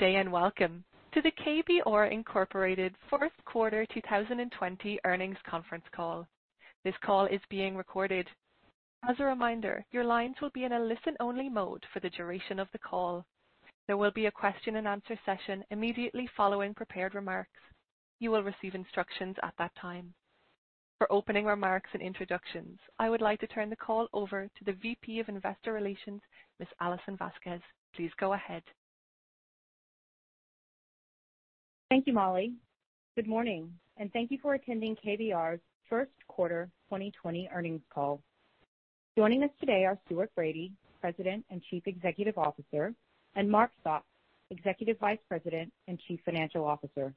Good day, and welcome to the KBR, Inc. first quarter 2020 earnings conference call. This call is being recorded. As a reminder, your lines will be in a listen-only mode for the duration of the call. There will be a question and answer session immediately following prepared remarks. You will receive instructions at that time. For opening remarks and introductions, I would like to turn the call over to the Vice President of Investor Relations, Ms. Alison Vasquez. Please go ahead. Thank you, Molly. Good morning, and thank you for attending KBR's first quarter 2020 earnings call. Joining us today are Stuart Bradie, President and Chief Executive Officer, and Mark Sopp, Executive Vice President and Chief Financial Officer.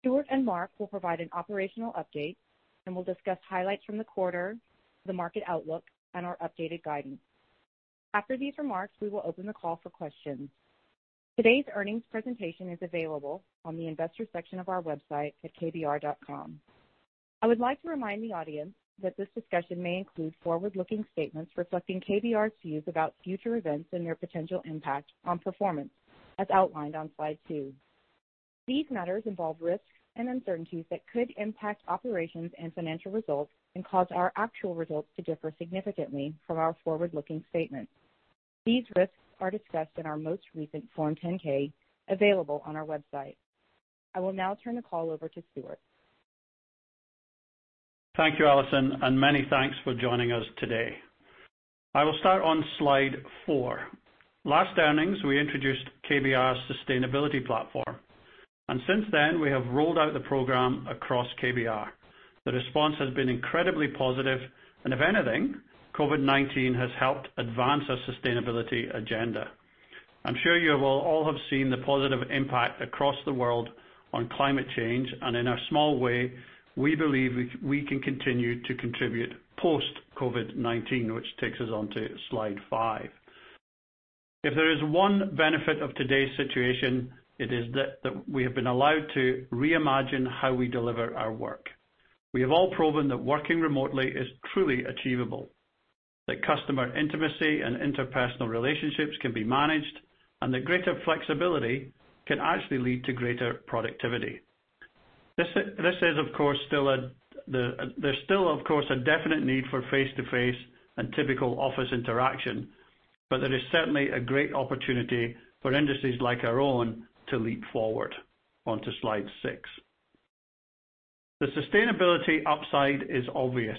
Stuart and Mark will provide an operational update, and will discuss highlights from the quarter, the market outlook, and our updated guidance. After these remarks, we will open the call for questions. Today's earnings presentation is available on the investor section of our website at kbr.com. I would like to remind the audience that this discussion may include forward-looking statements reflecting KBR's views about future events and their potential impact on performance, as outlined on slide two. These matters involve risks and uncertainties that could impact operations and financial results and cause our actual results to differ significantly from our forward-looking statements. These risks are discussed in our most recent Form 10-K, available on our website. I will now turn the call over to Stuart. Thank you, Alison, and many thanks for joining us today. I will start on slide four. Last earnings, we introduced KBR's sustainability platform, and since then, we have rolled out the program across KBR. The response has been incredibly positive, and if anything, COVID-19 has helped advance our sustainability agenda. I'm sure you will all have seen the positive impact across the world on climate change, and in a small way, we believe we can continue to contribute post-COVID-19, which takes us on to slide five. If there is one benefit of today's situation, it is that we have been allowed to reimagine how we deliver our work. We have all proven that working remotely is truly achievable, that customer intimacy and interpersonal relationships can be managed, and that greater flexibility can actually lead to greater productivity. There's still, of course, a definite need for face-to-face and typical office interaction, but there is certainly a great opportunity for industries like our own to leap forward. On to slide six. The sustainability upside is obvious.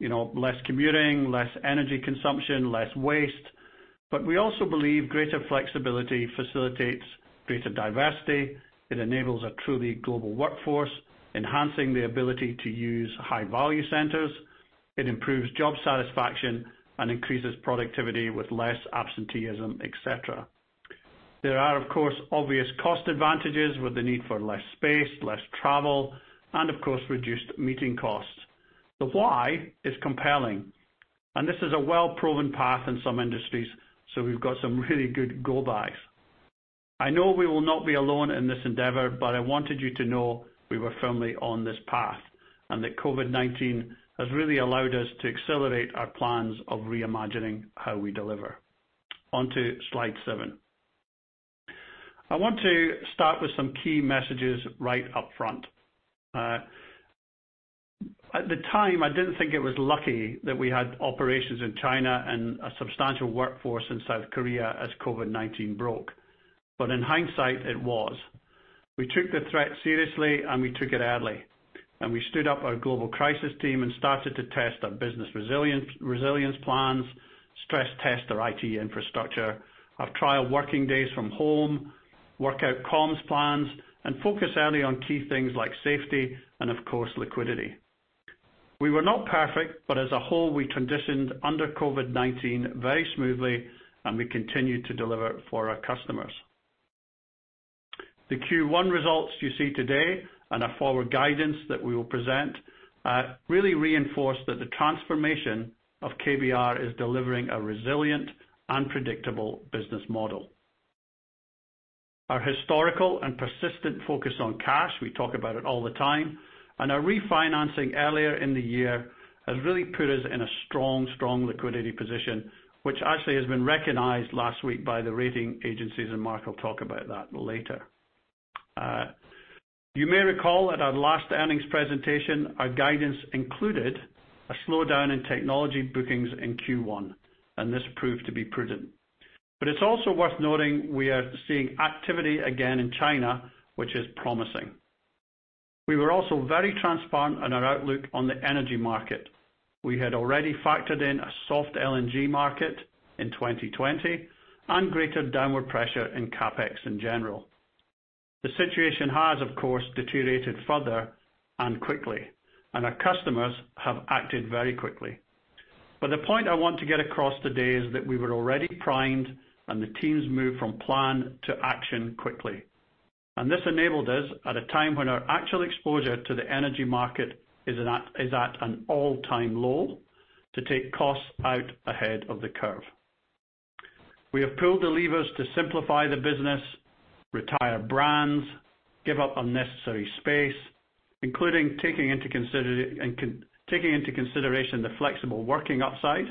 Less commuting, less energy consumption, less waste. We also believe greater flexibility facilitates greater diversity. It enables a truly global workforce, enhancing the ability to use high-value centers. It improves job satisfaction and increases productivity with less absenteeism, et cetera. There are, of course, obvious cost advantages with the need for less space, less travel, and of course, reduced meeting costs. The why is compelling, this is a well-proven path in some industries, so we've got some really good go-bys. I know we will not be alone in this endeavor, but I wanted you to know we were firmly on this path, and that COVID-19 has really allowed us to accelerate our plans of reimagining how we deliver. On to slide seven. I want to start with some key messages right up front. At the time, I didn't think it was lucky that we had operations in China and a substantial workforce in South Korea as COVID-19 broke. In hindsight, it was. We took the threat seriously, we took it early, we stood up our global crisis team and started to test our business resilience plans, stress test our IT infrastructure, have trial working days from home, work out comms plans, and focus early on key things like safety and of course, liquidity. We were not perfect, as a whole, we transitioned under COVID-19 very smoothly, and we continued to deliver for our customers. The Q1 results you see today and our forward guidance that we will present really reinforce that the transformation of KBR is delivering a resilient and predictable business model. Our historical and persistent focus on cash, we talk about it all the time, our refinancing earlier in the year has really put us in a strong liquidity position, which actually has been recognized last week by the rating agencies, and Mark will talk about that later. You may recall at our last earnings presentation, our guidance included a slowdown in technology bookings in Q1, and this proved to be prudent. It's also worth noting we are seeing activity again in China, which is promising. We were also very transparent on our outlook on the energy market. We had already factored in a soft LNG market in 2020 and greater downward pressure in CapEx in general. The situation has, of course, deteriorated further and quickly, and our customers have acted very quickly. The point I want to get across today is that we were already primed, and the teams moved from plan to action quickly. This enabled us, at a time when our actual exposure to the energy market is at an all-time low, to take costs out ahead of the curve. We have pulled the levers to simplify the business, retire brands, give up unnecessary space, including taking into consideration the flexible working upside.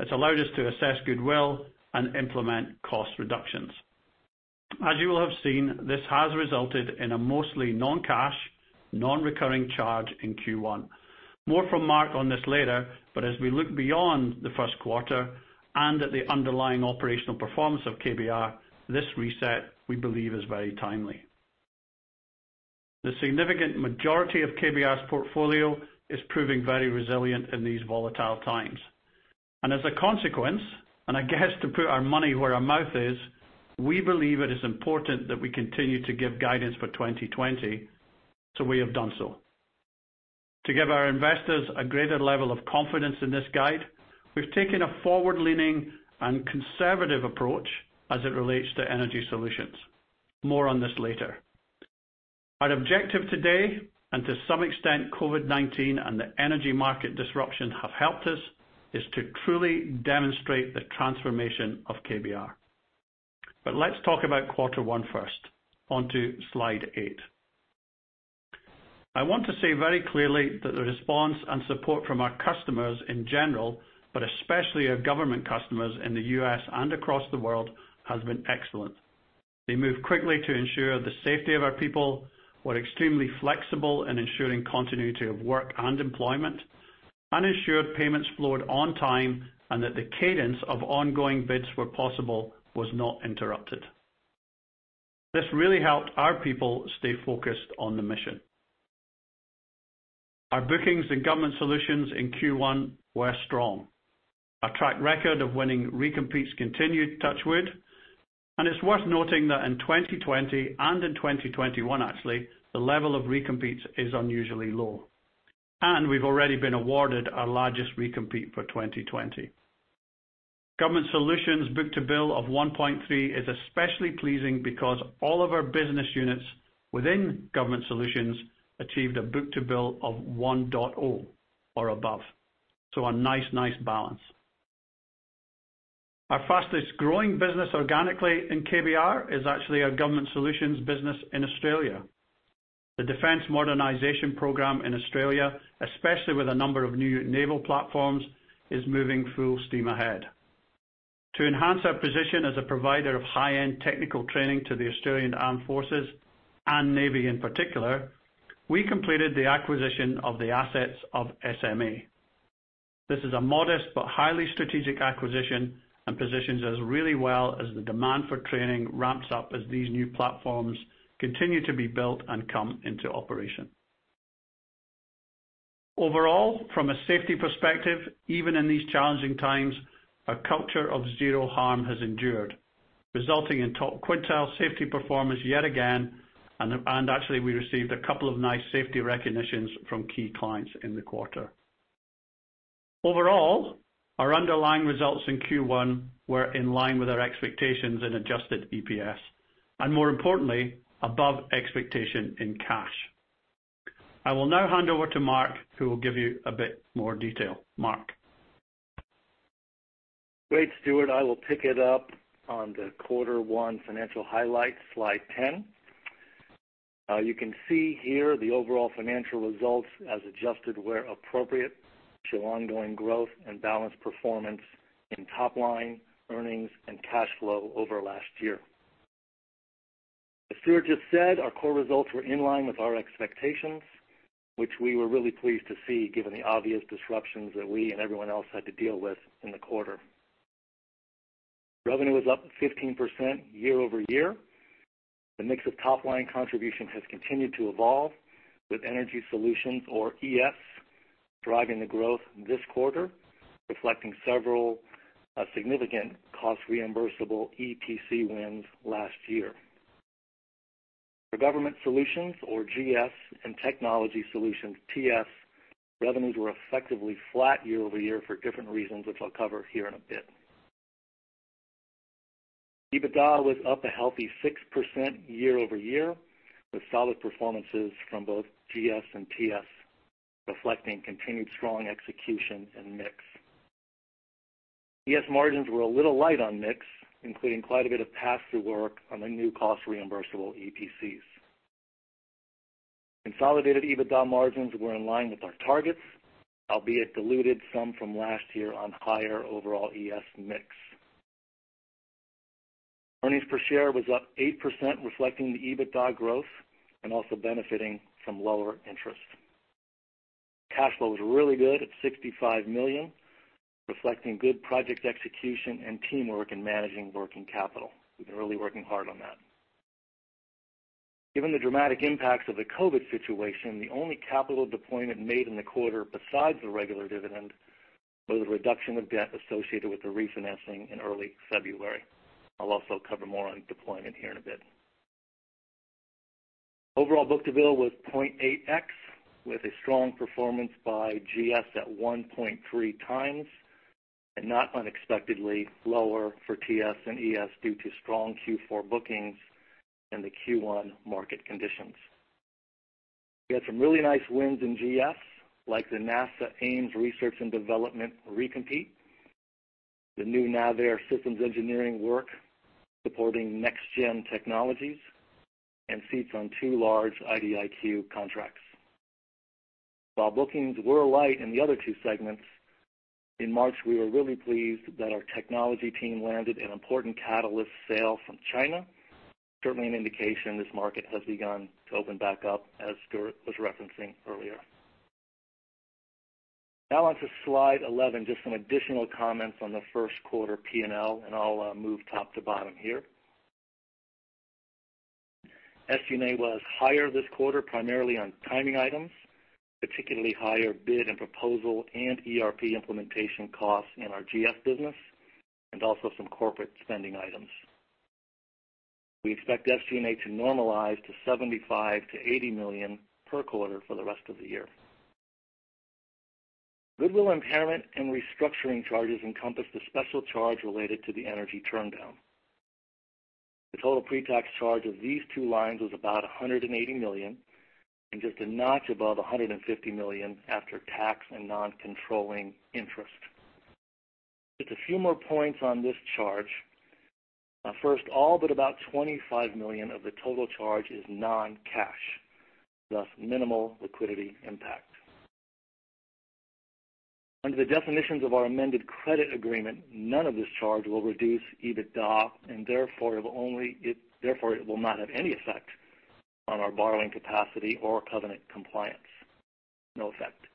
It's allowed us to assess goodwill and implement cost reductions. As you will have seen, this has resulted in a mostly non-cash, non-recurring charge in Q1. More from Mark on this later, as we look beyond the first quarter and at the underlying operational performance of KBR, this reset, we believe, is very timely. The significant majority of KBR's portfolio is proving very resilient in these volatile times. As a consequence, I guess to put our money where our mouth is, we believe it is important that we continue to give guidance for 2020, we have done so. To give our investors a greater level of confidence in this guide, we've taken a forward-leaning and conservative approach as it relates to Energy Solutions. More on this later. Our objective today, and to some extent, COVID-19 and the energy market disruption have helped us, is to truly demonstrate the transformation of KBR. Let's talk about quarter one first. On to slide eight. I want to say very clearly that the response and support from our customers in general, but especially our government customers in the U.S. and across the world, has been excellent. They moved quickly to ensure the safety of our people, were extremely flexible in ensuring continuity of work and employment, and ensured payments flowed on time, and that the cadence of ongoing bids where possible was not interrupted. This really helped our people stay focused on the mission. Our bookings in Government Solutions in Q1 were strong. Our track record of winning recompetes continued, touch wood. It's worth noting that in 2020 and in 2021 actually, the level of recompetes is unusually low. We've already been awarded our largest recompete for 2020. Government Solutions book-to-bill of 1.3 is especially pleasing because all of our business units within Government Solutions achieved a book-to-bill of 1.0 or above. A nice balance. Our fastest growing business organically in KBR is actually our Government Solutions business in Australia. The Defense Modernization program in Australia, especially with a number of new naval platforms, is moving full steam ahead. To enhance our position as a provider of high-end technical training to the Australian Defence Force and Navy in particular, we completed the acquisition of the assets of SMA. This is a modest but highly strategic acquisition and positions us really well as the demand for training ramps up as these new platforms continue to be built and come into operation. Overall, from a safety perspective, even in these challenging times, our culture of zero harm has endured, resulting in top quintile safety performance yet again. Actually, we received a couple of nice safety recognitions from key clients in the quarter. Overall, our underlying results in Q1 were in line with our expectations in adjusted EPS, and more importantly, above expectation in cash. I will now hand over to Mark, who will give you a bit more detail. Mark. Great, Stuart. I will pick it up on the quarter one financial highlights, slide 10. You can see here the overall financial results as adjusted where appropriate, show ongoing growth and balanced performance in top-line earnings and cash flow over last year. As Stuart just said, our core results were in line with our expectations, which we were really pleased to see given the obvious disruptions that we and everyone else had to deal with in the quarter. Revenue was up 15% year-over-year. The mix of top-line contributions has continued to evolve, with Energy Solutions or ES, driving the growth this quarter, reflecting several significant cost reimbursable EPC wins last year. For Government Solutions or GS, and Technology Solutions, TS, revenues were effectively flat year-over-year for different reasons, which I'll cover here in a bit. EBITDA was up a healthy 6% year-over-year, with solid performances from both GS and TS, reflecting continued strong execution and mix. ES margins were a little light on mix, including quite a bit of pass-through work on the new cost reimbursable EPCs. Consolidated EBITDA margins were in line with our targets, albeit diluted some from last year on higher overall ES mix. Earnings per share was up 8%, reflecting the EBITDA growth and also benefiting from lower interest. Cash flow was really good at $65 million, reflecting good project execution and teamwork in managing working capital. We've been really working hard on that. Given the dramatic impacts of the COVID situation, the only capital deployment made in the quarter besides the regular dividend, was a reduction of debt associated with the refinancing in early February. I'll also cover more on deployment here in a bit. Overall book-to-bill was 0.8x, with a strong performance by GS at 1.3 times, and not unexpectedly lower for TS and ES due to strong Q4 bookings and the Q1 market conditions. We had some really nice wins in GS, like the NASA Ames Research and Development recompete, the new NAVAIR systems engineering work supporting next gen technologies, and seats on two large IDIQ contracts. While bookings were light in the other two segments, in March, we were really pleased that our technology team landed an important catalyst sale from China. Certainly an indication this market has begun to open back up as Stuart was referencing earlier. Now on to slide 11, just some additional comments on the first quarter P&L. I'll move top to bottom here. SG&A was higher this quarter, primarily on timing items, particularly higher bid and proposal and ERP implementation costs in our GS business, also some corporate spending items. We expect SG&A to normalize to $75 million-$80 million per quarter for the rest of the year. Goodwill impairment and restructuring charges encompass the special charge related to the energy turndown. The total pretax charge of these two lines was about $180 million, just a notch above $150 million after tax and non-controlling interest. Just a few more points on this charge. First, all but about $25 million of the total charge is non-cash, thus minimal liquidity impact. Under the definitions of our amended credit agreement, none of this charge will reduce EBITDA, therefore, it will not have any effect on our borrowing capacity or covenant compliance. No effect.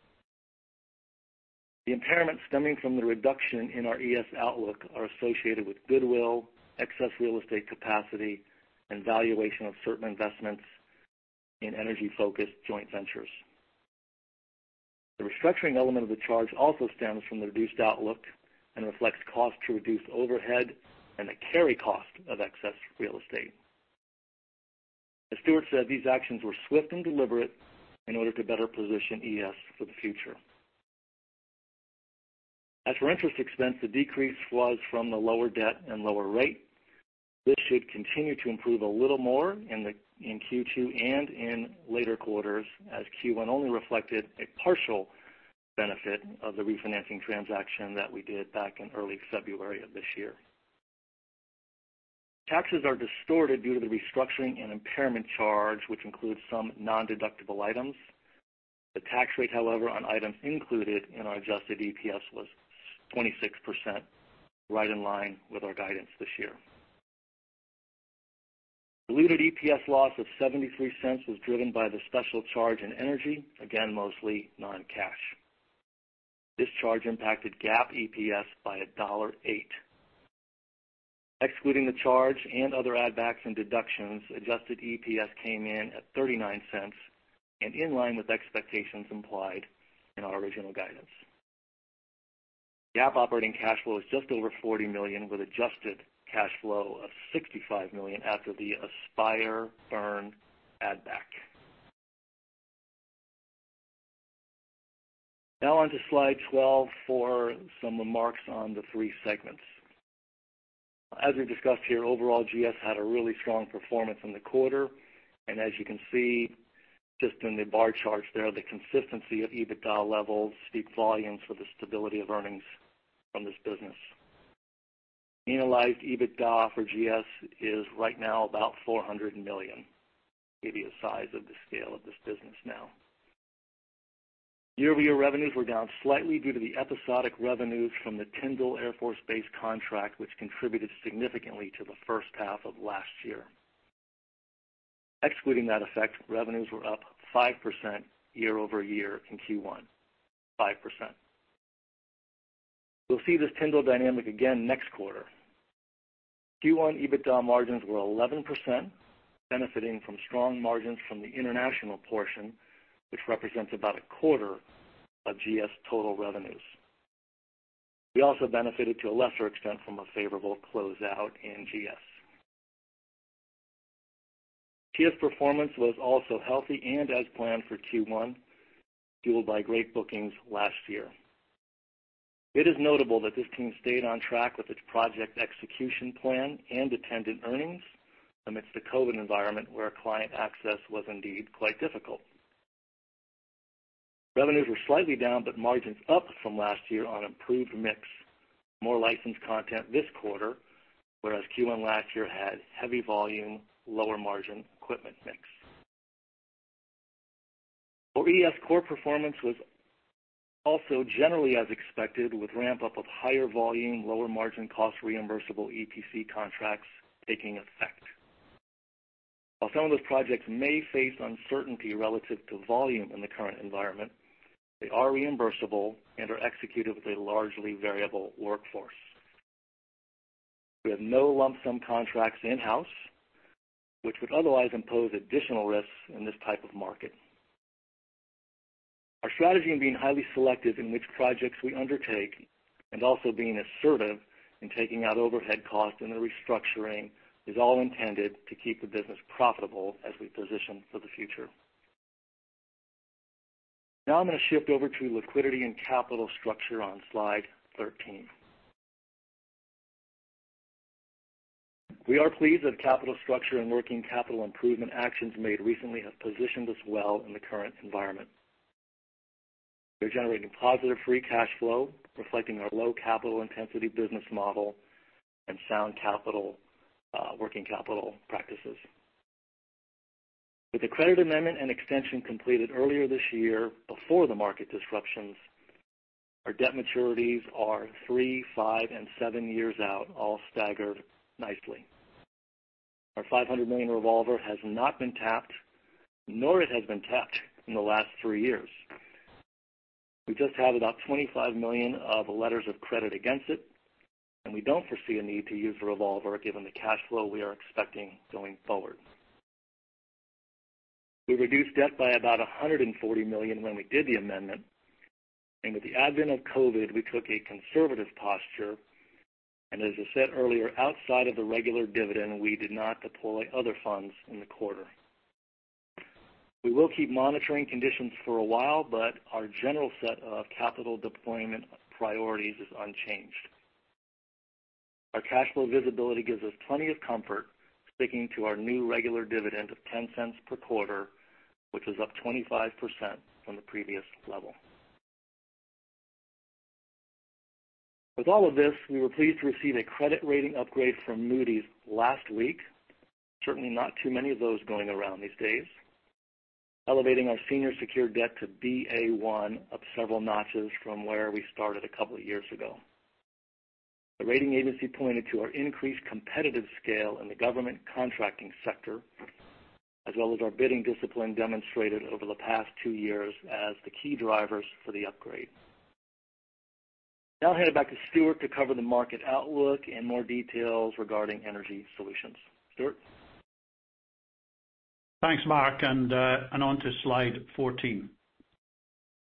The impairment stemming from the reduction in our ES outlook are associated with goodwill, excess real estate capacity, and valuation of certain investments in energy-focused joint ventures. The restructuring element of the charge also stems from the reduced outlook and reflects costs to reduce overhead and the carry cost of excess real estate. As Stuart said, these actions were swift and deliberate in order to better position ES for the future. As for interest expense, the decrease was from the lower debt and lower rate. This should continue to improve a little more in Q2 and in later quarters, as Q1 only reflected a partial benefit of the refinancing transaction that we did back in early February of this year. Taxes are distorted due to the restructuring and impairment charge, which includes some non-deductible items. The tax rate, however, on items included in our adjusted EPS was 26%, right in line with our guidance this year. Diluted EPS loss of $0.73 was driven by the special charge in energy, again, mostly non-cash. This charge impacted GAAP EPS by $1.08. Excluding the charge and other add backs and deductions, adjusted EPS came in at $0.39 and in line with expectations implied in our original guidance. GAAP operating cash flow is just over $40 million with adjusted cash flow of $65 million after the Aspire burn add back. Now on to slide 12 for some remarks on the three segments. As we've discussed here, overall, GS had a really strong performance in the quarter. As you can see just in the bar charts there, the consistency of EBITDA levels speaks volumes for the stability of earnings from this business. Annualized EBITDA for GS is right now about $400 million. Give you a size of the scale of this business now. Year-over-year revenues were down slightly due to the episodic revenues from the Tyndall Air Force Base contract, which contributed significantly to the first half of last year. Excluding that effect, revenues were up 5% year-over-year in Q1, 5%. We'll see this Tyndall dynamic again next quarter. Q1 EBITDA margins were 11%, benefiting from strong margins from the international portion, which represents about a quarter of GS total revenues. We also benefited to a lesser extent from a favorable closeout in GS. TS performance was also healthy and as planned for Q1, fueled by great bookings last year. It is notable that this team stayed on track with its project execution plan and attendant earnings amidst a COVID environment where client access was indeed quite difficult. Revenues were slightly down, margins up from last year on improved mix. More licensed content this quarter, whereas Q1 last year had heavy volume, lower margin equipment mix. For ES, core performance was also generally as expected, with ramp-up of higher volume, lower margin cost reimbursable EPC contracts taking effect. While some of those projects may face uncertainty relative to volume in the current environment, they are reimbursable and are executed with a largely variable workforce. We have no lump sum contracts in-house, which would otherwise impose additional risks in this type of market. Our strategy in being highly selective in which projects we undertake and also being assertive in taking out overhead costs and the restructuring is all intended to keep the business profitable as we position for the future. Now I'm going to shift over to liquidity and capital structure on slide 13. We are pleased that capital structure and working capital improvement actions made recently have positioned us well in the current environment. We're generating positive free cash flow, reflecting our low capital intensity business model and sound working capital practices. With the credit amendment and extension completed earlier this year before the market disruptions, our debt maturities are three, five, and seven years out, all staggered nicely. Our $500 million revolver has not been tapped, nor it has been tapped in the last three years. We just have about $25 million of letters of credit against it, and we don't foresee a need to use the revolver given the cash flow we are expecting going forward. We reduced debt by about $140 million when we did the amendment. With the advent of COVID, we took a conservative posture, and as I said earlier, outside of the regular dividend, we did not deploy other funds in the quarter. We will keep monitoring conditions for a while, but our general set of capital deployment priorities is unchanged. Our cash flow visibility gives us plenty of comfort sticking to our new regular dividend of $0.10 per quarter, which is up 25% from the previous level. With all of this, we were pleased to receive a credit rating upgrade from Moody's last week. Certainly not too many of those going around these days. Elevating our senior secured debt to Ba1, up several notches from where we started a couple of years ago. The rating agency pointed to our increased competitive scale in the government contracting sector, as well as our bidding discipline demonstrated over the past two years as the key drivers for the upgrade. I'll hand it back to Stuart to cover the market outlook and more details regarding Energy Solutions. Stuart? Thanks, Mark, on to slide 14.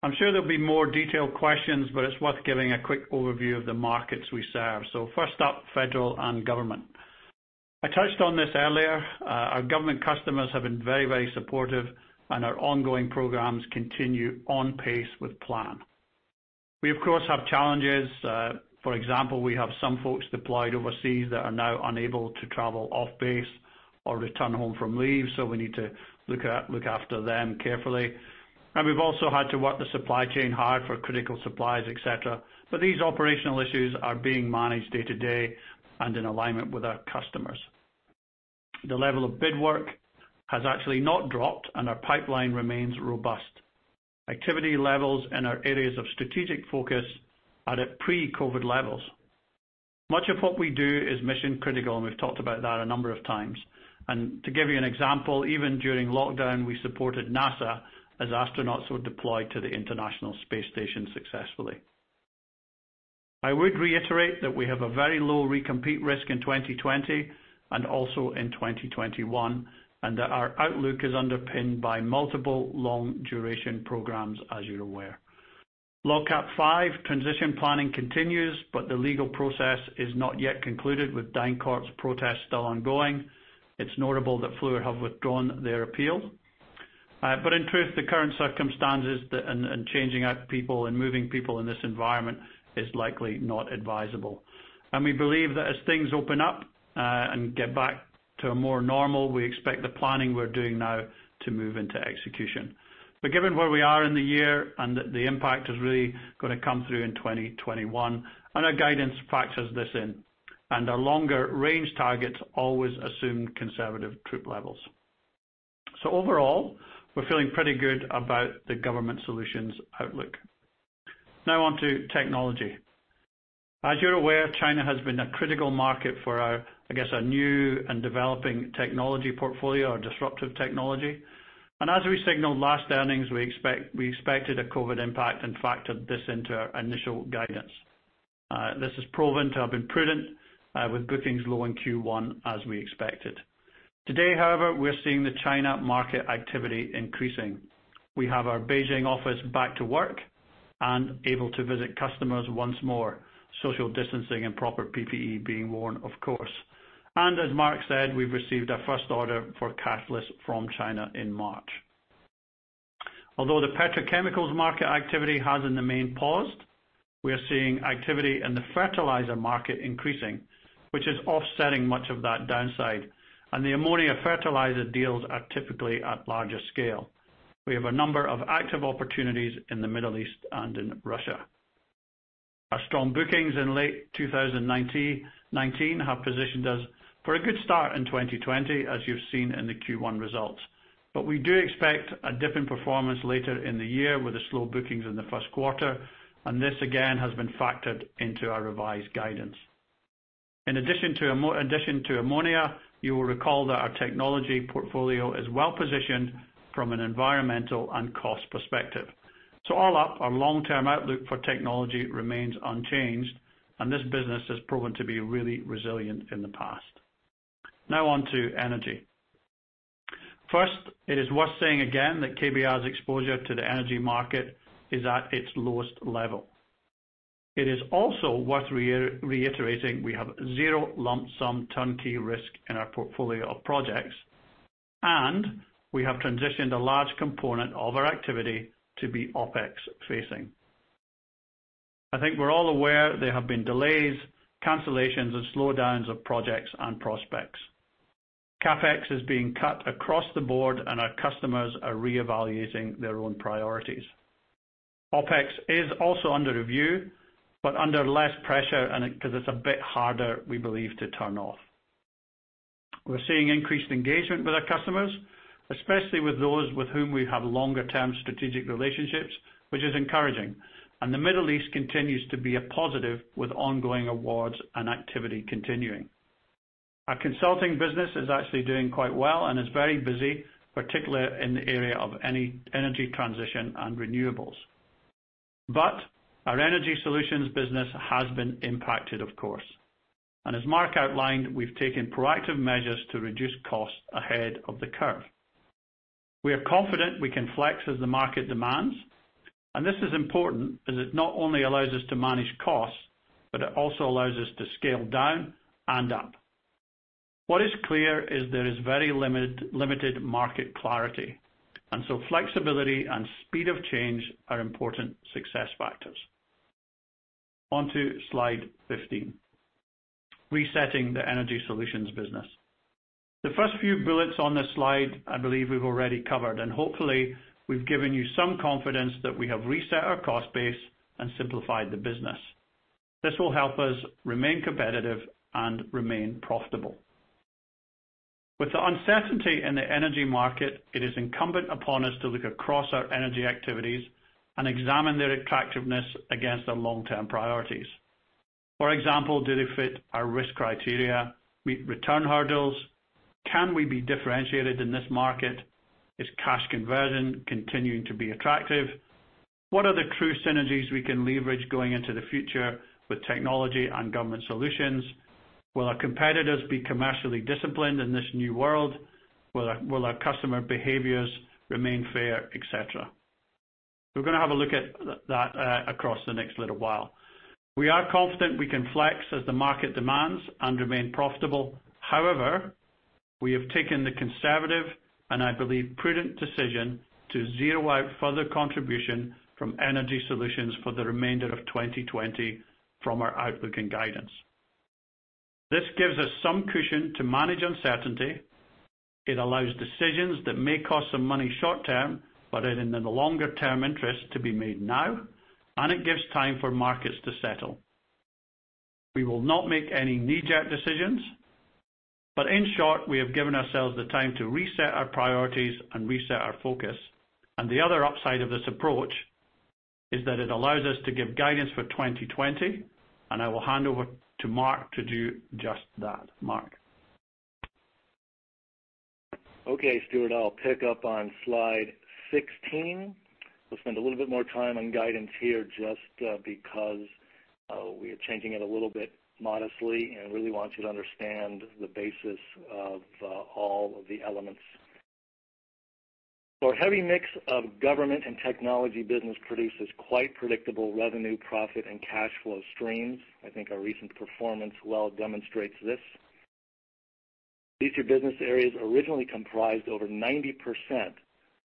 I'm sure there'll be more detailed questions, but it's worth giving a quick overview of the markets we serve. First up, federal and government. I touched on this earlier. Our government customers have been very, very supportive and our ongoing programs continue on pace with plan. We of course, have challenges. For example, we have some folks deployed overseas that are now unable to travel off base or return home from leave, so we need to look after them carefully. We've also had to work the supply chain hard for critical supplies, et cetera. These operational issues are being managed day to day and in alignment with our customers. The level of bid work has actually not dropped, and our pipeline remains robust. Activity levels in our areas of strategic focus are at pre-COVID levels. Much of what we do is mission-critical, we've talked about that a number of times. To give you an example, even during lockdown, we supported NASA as astronauts were deployed to the International Space Station successfully. I would reiterate that we have a very low recompete risk in 2020 and also in 2021, and that our outlook is underpinned by multiple long-duration programs, as you're aware. LogCAP 5 transition planning continues, but the legal process is not yet concluded, with DynCorp's protest still ongoing. It's notable that Fluor have withdrawn their appeal. In truth, the current circumstances and changing out people and moving people in this environment is likely not advisable. We believe that as things open up, and get back to a more normal, we expect the planning we're doing now to move into execution. Given where we are in the year and that the impact is really going to come through in 2021, and our guidance factors this in, and our longer range targets always assume conservative troop levels. Overall, we're feeling pretty good about the Government Solutions outlook. Now on to Technology. As you're aware, China has been a critical market for our, I guess, our new and developing technology portfolio or disruptive technology. As we signaled last earnings, we expected a COVID impact and factored this into our initial guidance. This has proven to have been prudent, with bookings low in Q1 as we expected. Today, however, we're seeing the China market activity increasing. We have our Beijing office back to work and able to visit customers once more. Social distancing and proper PPE being worn, of course. As Mark said, we've received our first order for Catalysts from China in March. Although the petrochemicals market activity has in the main paused, we are seeing activity in the fertilizer market increasing, which is offsetting much of that downside. The ammonia fertilizer deals are typically at larger scale. We have a number of active opportunities in the Middle East and in Russia. Our strong bookings in late 2019 have positioned us for a good start in 2020, as you've seen in the Q1 results. We do expect a dip in performance later in the year with the slow bookings in the first quarter, and this again has been factored into our revised guidance. In addition to ammonia, you will recall that our Technology portfolio is well-positioned from an environmental and cost perspective. All up, our long-term outlook for Technology remains unchanged, and this business has proven to be really resilient in the past. Now on to energy. First, it is worth saying again that KBR's exposure to the energy market is at its lowest level. It is also worth reiterating we have zero lump sum turnkey risk in our portfolio of projects, and we have transitioned a large component of our activity to be OpEx facing. I think we're all aware there have been delays, cancellations, and slowdowns of projects and prospects. CapEx is being cut across the board and our customers are re-evaluating their own priorities. OpEx is also under review, but under less pressure and because it's a bit harder, we believe, to turn off. We're seeing increased engagement with our customers, especially with those with whom we have longer-term strategic relationships, which is encouraging. The Middle East continues to be a positive with ongoing awards and activity continuing. Our consulting business is actually doing quite well and is very busy, particularly in the area of energy transition and renewables. Our Energy Solutions business has been impacted, of course. As Mark outlined, we've taken proactive measures to reduce costs ahead of the curve. We are confident we can flex as the market demands, and this is important as it not only allows us to manage costs, but it also allows us to scale down and up. What is clear is there is very limited market clarity, so flexibility and speed of change are important success factors. On to slide 15, resetting the Energy Solutions business. The first few bullets on this slide I believe we've already covered, hopefully we've given you some confidence that we have reset our cost base and simplified the business. This will help us remain competitive and remain profitable. With the uncertainty in the energy market, it is incumbent upon us to look across our energy activities and examine their attractiveness against our long-term priorities. For example, do they fit our risk criteria, meet return hurdles? Can we be differentiated in this market? Is cash conversion continuing to be attractive? What are the true synergies we can leverage going into the future with Technology Solutions and Government Solutions? Will our competitors be commercially disciplined in this new world? Will our customer behaviors remain fair, et cetera? We're going to have a look at that across the next little while. We are confident we can flex as the market demands and remain profitable. However, we have taken the conservative, I believe prudent decision, to zero out further contribution from Energy Solutions for the remainder of 2020 from our outlook and guidance. This gives us some cushion to manage uncertainty. It allows decisions that may cost some money short term, but in the longer-term interest to be made now, it gives time for markets to settle. We will not make any knee-jerk decisions, in short, we have given ourselves the time to reset our priorities and reset our focus. The other upside of this approach is that it allows us to give guidance for 2020, and I will hand over to Mark to do just that. Mark. Okay, Stuart, I'll pick up on slide 16. We'll spend a little bit more time on guidance here just because we are changing it a little bit modestly, really want you to understand the basis of all of the elements. Our heavy mix of Government Solutions and Technology Solutions business produces quite predictable revenue, profit, and cash flow streams. I think our recent performance well demonstrates this. These two business areas originally comprised over 90%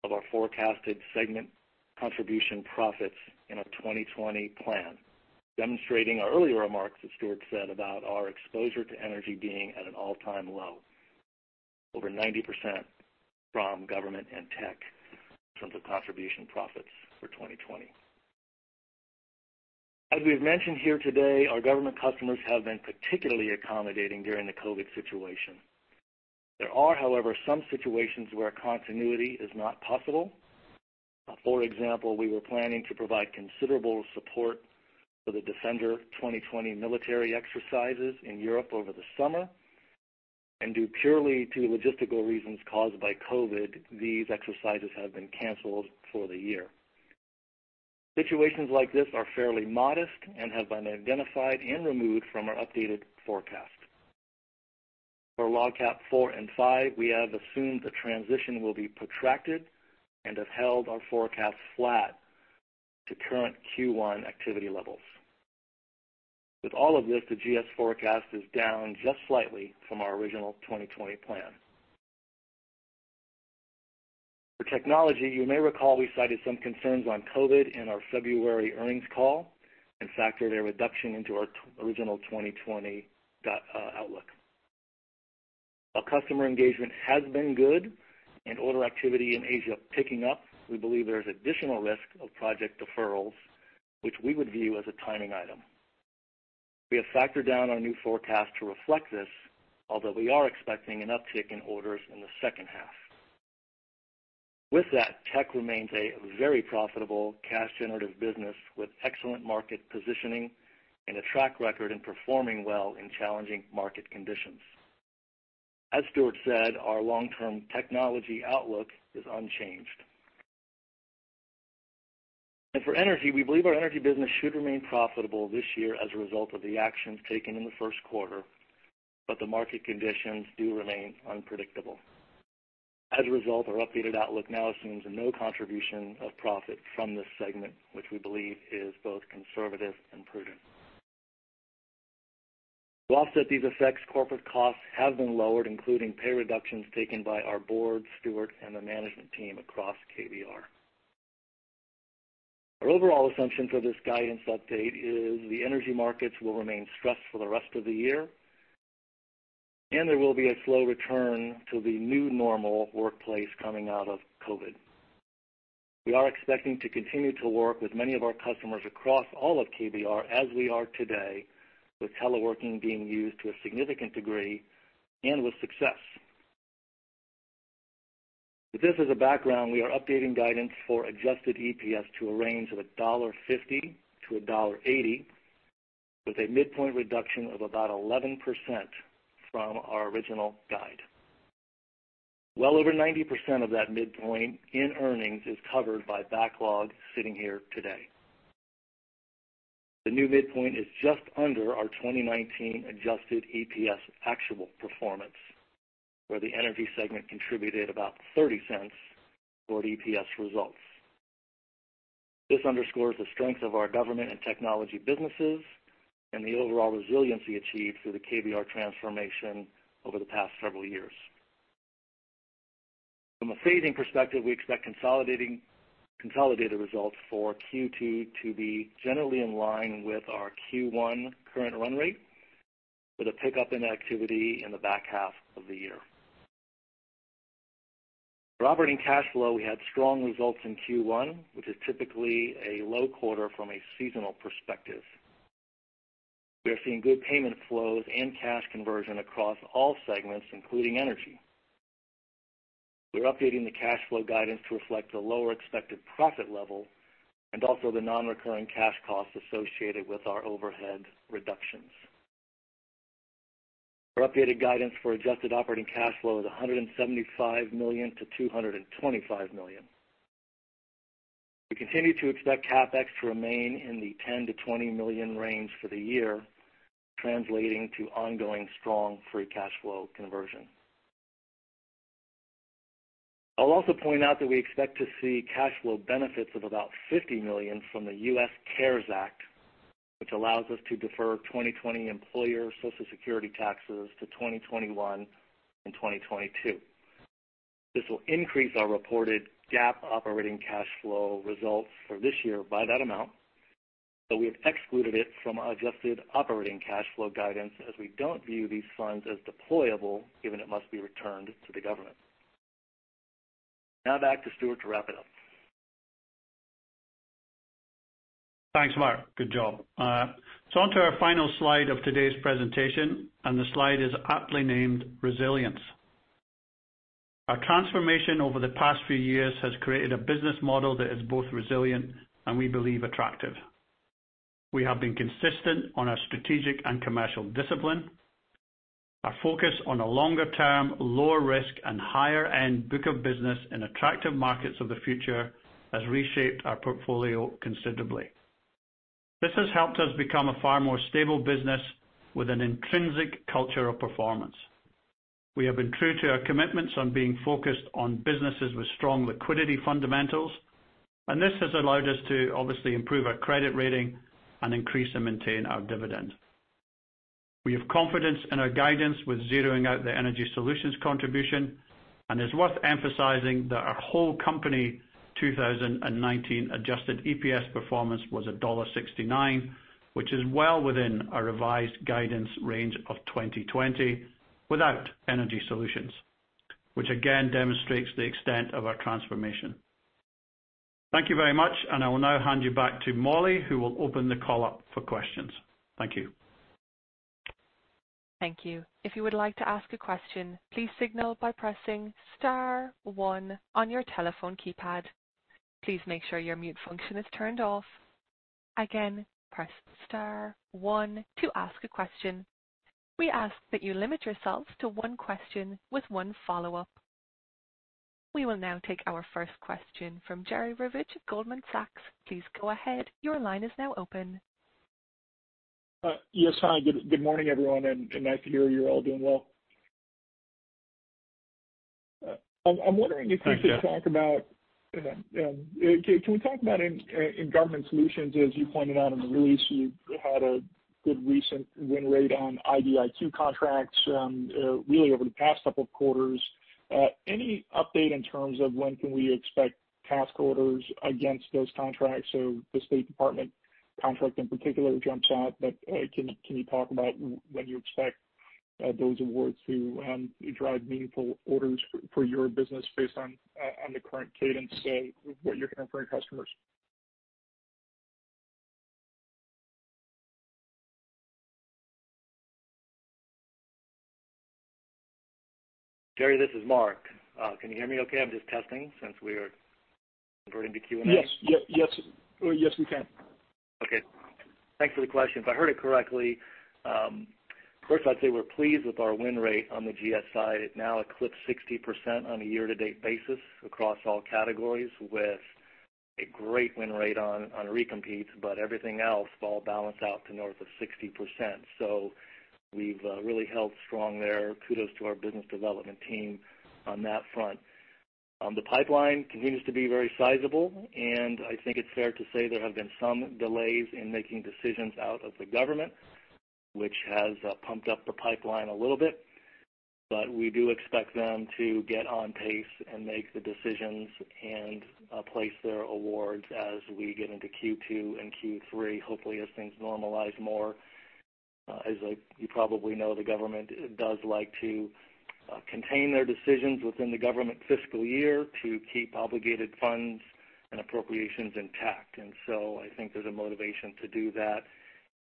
of our forecasted segment contribution profits in our 2020 plan, demonstrating our earlier remarks that Stuart said about our exposure to energy being at an all-time low, over 90% from Government Solutions and tech in terms of contribution profits for 2020. As we've mentioned here today, our government customers have been particularly accommodating during the COVID situation. There are, however, some situations where continuity is not possible. For example, we were planning to provide considerable support for the Defender-Europe 20 military exercises in Europe over the summer. Due purely to logistical reasons caused by COVID, these exercises have been canceled for the year. Situations like this are fairly modest and have been identified and removed from our updated forecast. For LogCAP IV and V, we have assumed the transition will be protracted and have held our forecast flat to current Q1 activity levels. The GS forecast is down just slightly from our original 2020 plan. For technology, you may recall we cited some concerns on COVID in our February earnings call and factored a reduction into our original 2020 outlook. While customer engagement has been good and order activity in Asia picking up, we believe there is additional risk of project deferrals, which we would view as a timing item. We have factored down our new forecast to reflect this, although we are expecting an uptick in orders in the second half. Tech remains a very profitable cash-generative business with excellent market positioning and a track record in performing well in challenging market conditions. As Stuart said, our long-term technology outlook is unchanged. For energy, we believe our energy business should remain profitable this year as a result of the actions taken in the first quarter, but the market conditions do remain unpredictable. Our updated outlook now assumes no contribution of profit from this segment, which we believe is both conservative and prudent. To offset these effects, corporate costs have been lowered, including pay reductions taken by our board, Stuart, and the management team across KBR. Our overall assumption for this guidance update is the energy markets will remain stressed for the rest of the year, and there will be a slow return to the new normal workplace coming out of COVID. We are expecting to continue to work with many of our customers across all of KBR as we are today, with teleworking being used to a significant degree and with success. We are updating guidance for adjusted EPS to a range of $1.50-$1.80, with a midpoint reduction of about 11% from our original guide. Over 90% of that midpoint in earnings is covered by backlog sitting here today. The new midpoint is just under our 2019 adjusted EPS actual performance, where the energy segment contributed about $0.30 toward EPS results. This underscores the strength of our government and technology businesses and the overall resiliency achieved through the KBR transformation over the past several years. We expect consolidated results for Q2 to be generally in line with our Q1 current run rate, with a pickup in activity in the back half of the year. We had strong results in Q1, which is typically a low quarter from a seasonal perspective. We are seeing good payment flows and cash conversion across all segments, including energy. We're updating the cash flow guidance to reflect the lower expected profit level and also the non-recurring cash costs associated with our overhead reductions. Our updated guidance for adjusted operating cash flow is $175 million-$225 million. We continue to expect CapEx to remain in the $10 million-$20 million range for the year, translating to ongoing strong free cash flow conversion. I'll also point out that we expect to see cash flow benefits of about $50 million from the U.S. CARES Act, which allows us to defer 2020 employer Social Security taxes to 2021 and 2022. This will increase our reported GAAP operating cash flow results for this year by that amount, but we have excluded it from adjusted operating cash flow guidance as we don't view these funds as deployable given it must be returned to the government. Back to Stuart to wrap it up. Thanks, Mark. Good job. On to our final slide of today's presentation, the slide is aptly named Resilience. Our transformation over the past few years has created a business model that is both resilient and we believe attractive. We have been consistent on our strategic and commercial discipline. Our focus on a longer-term, lower risk, and higher-end book of business in attractive markets of the future has reshaped our portfolio considerably. This has helped us become a far more stable business with an intrinsic culture of performance. We have been true to our commitments on being focused on businesses with strong liquidity fundamentals, this has allowed us to obviously improve our credit rating and increase and maintain our dividend. We have confidence in our guidance with zeroing out the Energy Solutions contribution, it's worth emphasizing that our whole company 2019 adjusted EPS performance was $1.69, which is well within our revised guidance range of 2020 without Energy Solutions, which again demonstrates the extent of our transformation. Thank you very much, I will now hand you back to Molly, who will open the call up for questions. Thank you. Thank you. If you would like to ask a question, please signal by pressing *1 on your telephone keypad. Please make sure your mute function is turned off. Again, press *1 to ask a question. We ask that you limit yourselves to one question with one follow-up. We will now take our first question from Jerry Revich of Goldman Sachs. Please go ahead. Your line is now open. Yes. Hi. Good morning, everyone, and nice to hear you're all doing well. I'm wondering if you- Thanks, Jerry can we talk about in Government Solutions, as you pointed out in the release, you had a good recent win rate on IDIQ contracts really over the past couple of quarters. Any update in terms of when can we expect task orders against those contracts? The State Department contract in particular jumps out, but can you talk about when you expect those awards to drive meaningful orders for your business based on the current cadence of what you're hearing from your customers? Jerry, this is Mark. Can you hear me okay? I'm just testing since we are converting to Q&A. Yes. We can. Okay. Thanks for the question. If I heard it correctly, first I'd say we're pleased with our win rate on the GSI. It now eclipsed 60% on a year-to-date basis across all categories with a great win rate on recompetes, everything else fall balanced out to north of 60%. We've really held strong there. Kudos to our business development team on that front. The pipeline continues to be very sizable, and I think it's fair to say there have been some delays in making decisions out of the government, which has pumped up the pipeline a little bit. We do expect them to get on pace and make the decisions and place their awards as we get into Q2 and Q3, hopefully as things normalize more. As you probably know, the government does like to contain their decisions within the government fiscal year to keep obligated funds and appropriations intact. I think there's a motivation to do that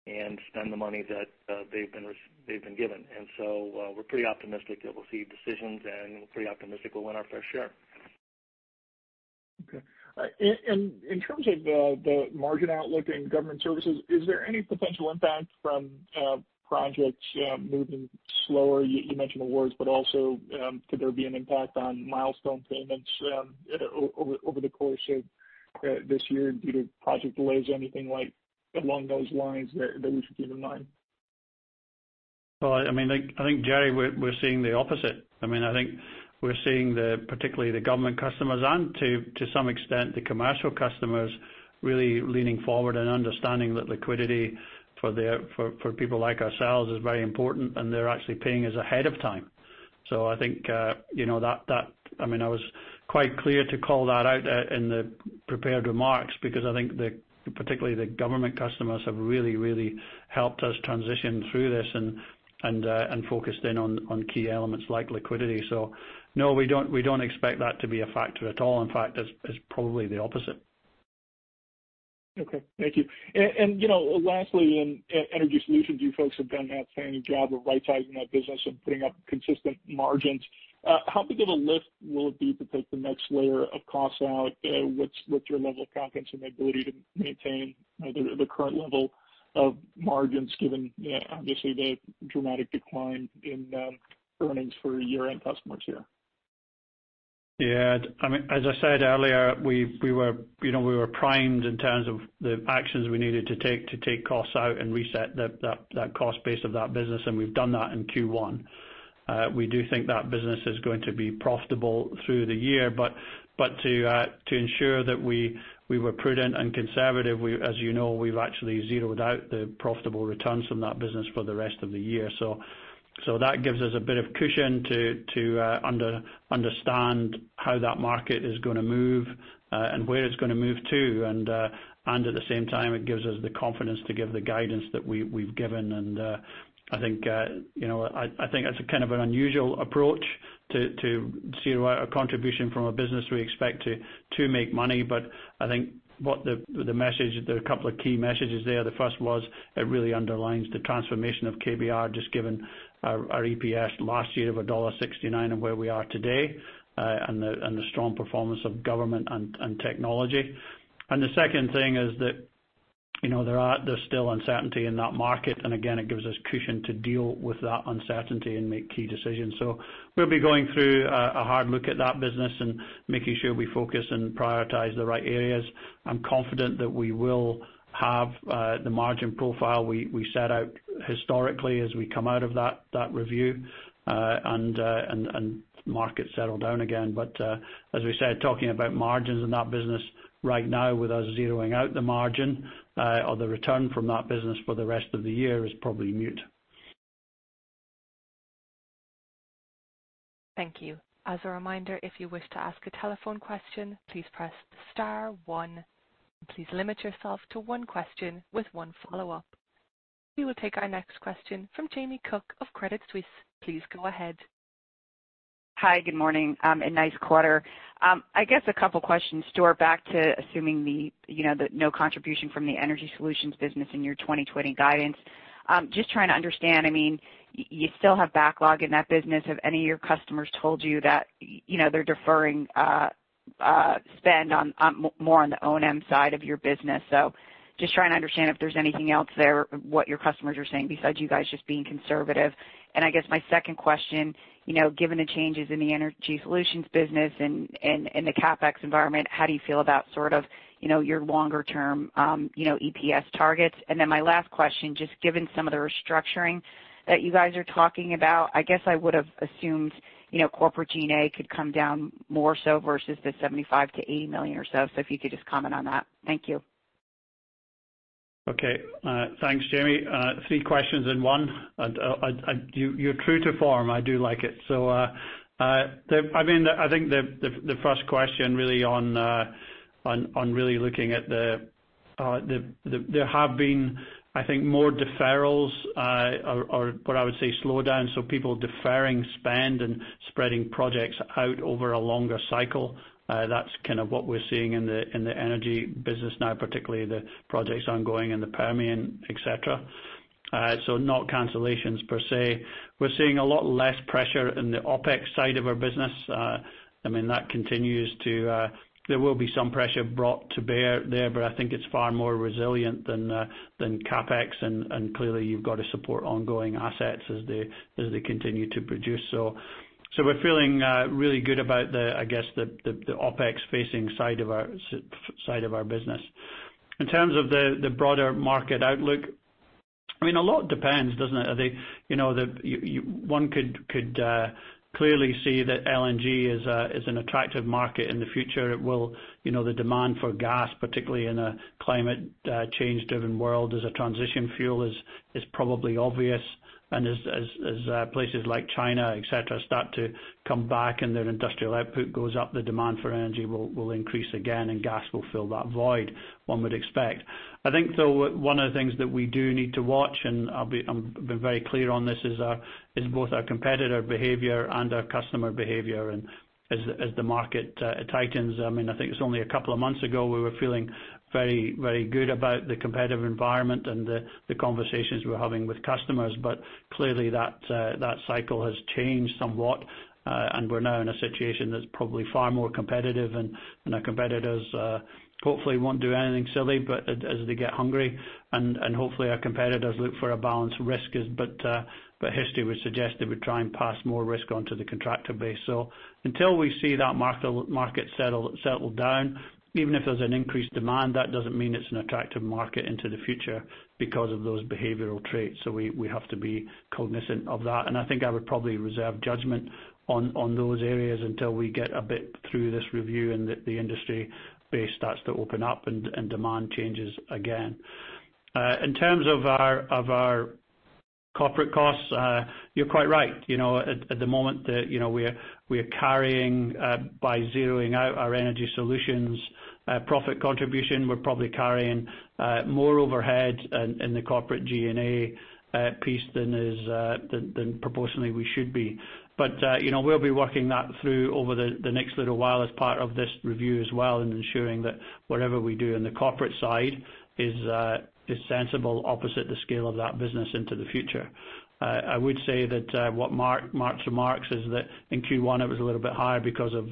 and spend the money that they've been given. We're pretty optimistic that we'll see decisions, and we're pretty optimistic we'll win our fair share. Okay. In terms of the margin outlook in Government Solutions, is there any potential impact from projects moving slower? You mentioned awards, but also could there be an impact on milestone payments over the course of this year due to project delays, anything along those lines that we should keep in mind? Well, I think, Jerry Revich, we're seeing the opposite. I think we're seeing particularly the government customers and to some extent, the commercial customers really leaning forward and understanding that liquidity for people like ourselves is very important, and they're actually paying us ahead of time. I think I was quite clear to call that out in the prepared remarks because I think particularly the government customers have really helped us transition through this and focused in on key elements like liquidity. No, we don't expect that to be a factor at all. In fact, it's probably the opposite. Okay. Thank you. Lastly, in Energy Solutions, you folks have done an outstanding job of right-sizing that business and putting up consistent margins. How big of a lift will it be to take the next layer of costs out? What's your level of confidence in the ability to maintain the current level of margins, given obviously the dramatic decline in earnings for year-end customers here? Yeah. As I said earlier, we were primed in terms of the actions we needed to take to take costs out and reset that cost base of that business, and we've done that in Q1. We do think that business is going to be profitable through the year, but to ensure that we were prudent and conservative, as you know, we've actually zeroed out the profitable returns from that business for the rest of the year. That gives us a bit of cushion to understand how that market is going to move and where it's going to move to. At the same time, it gives us the confidence to give the guidance that we've given. I think that's kind of an unusual approach to zero out a contribution from a business we expect to make money. I think there are a couple of key messages there. The first was it really underlines the transformation of KBR, just given our EPS last year of $1.69 and where we are today and the strong performance of government and technology. The second thing is that there's still uncertainty in that market. Again, it gives us cushion to deal with that uncertainty and make key decisions. We'll be going through a hard look at that business and making sure we focus and prioritize the right areas. I'm confident that we will have the margin profile we set out historically as we come out of that review and markets settle down again. As we said, talking about margins in that business right now with us zeroing out the margin or the return from that business for the rest of the year is probably moot. Thank you. As a reminder, if you wish to ask a telephone question, please press star one, and please limit yourself to one question with one follow-up. We will take our next question from Jamie Cook of Credit Suisse. Please go ahead. Hi, good morning. A nice quarter. I guess a couple questions, Stuart, back to assuming the no contribution from the Energy Solutions business in your 2020 guidance. Just trying to understand, you still have backlog in that business. Have any of your customers told you that they're deferring spend more on the OM side of your business? Just trying to understand if there's anything else there, what your customers are saying besides you guys just being conservative. I guess my second question, given the changes in the Energy Solutions business and the CapEx environment, how do you feel about sort of your longer term EPS targets? My last question, just given some of the restructuring that you guys are talking about, I guess I would have assumed corporate G&A could come down more so versus the $75 million-$80 million or so. If you could just comment on that. Thank you. Okay. Thanks, Jamie. Three questions in one. You're true to form. I do like it. I think the first question really on looking at the There have been, I think, more deferrals or what I would say slowdown, so people deferring spend and spreading projects out over a longer cycle. That's kind of what we're seeing in the energy business now, particularly the projects ongoing in the Permian, et cetera. Not cancellations per se. We're seeing a lot less pressure in the OpEx side of our business. There will be some pressure brought to bear there, but I think it's far more resilient than CapEx, and clearly you've got to support ongoing assets as they continue to produce. We're feeling really good about the OpEx facing side of our business. In terms of the broader market outlook A lot depends, doesn't it? One could clearly see that LNG is an attractive market in the future. The demand for gas, particularly in a climate change-driven world as a transition fuel, is probably obvious. As places like China, et cetera, start to come back and their industrial output goes up, the demand for energy will increase again, and gas will fill that void, one would expect. I think, though, one of the things that we do need to watch, and I've been very clear on this, is both our competitor behavior and our customer behavior, and as the market tightens. I think it's only a couple of months ago, we were feeling very good about the competitive environment and the conversations we were having with customers. Clearly that cycle has changed somewhat, and we're now in a situation that's probably far more competitive and our competitors hopefully won't do anything silly, but as they get hungry, and hopefully our competitors look for a balanced risk. History would suggest they would try and pass more risk onto the contractor base. Until we see that market settle down, even if there's an increased demand, that doesn't mean it's an attractive market into the future because of those behavioral traits. We have to be cognizant of that. I think I would probably reserve judgment on those areas until we get a bit through this review and the industry base starts to open up and demand changes again. In terms of our corporate costs, you're quite right. At the moment, we are carrying by zeroing out our Energy Solutions profit contribution, we're probably carrying more overhead in the corporate G&A piece than proportionately we should be. We'll be working that through over the next little while as part of this review as well, and ensuring that whatever we do in the corporate side is sensible opposite the scale of that business into the future. I would say that what Mark remarks is that in Q1 it was a little bit higher because of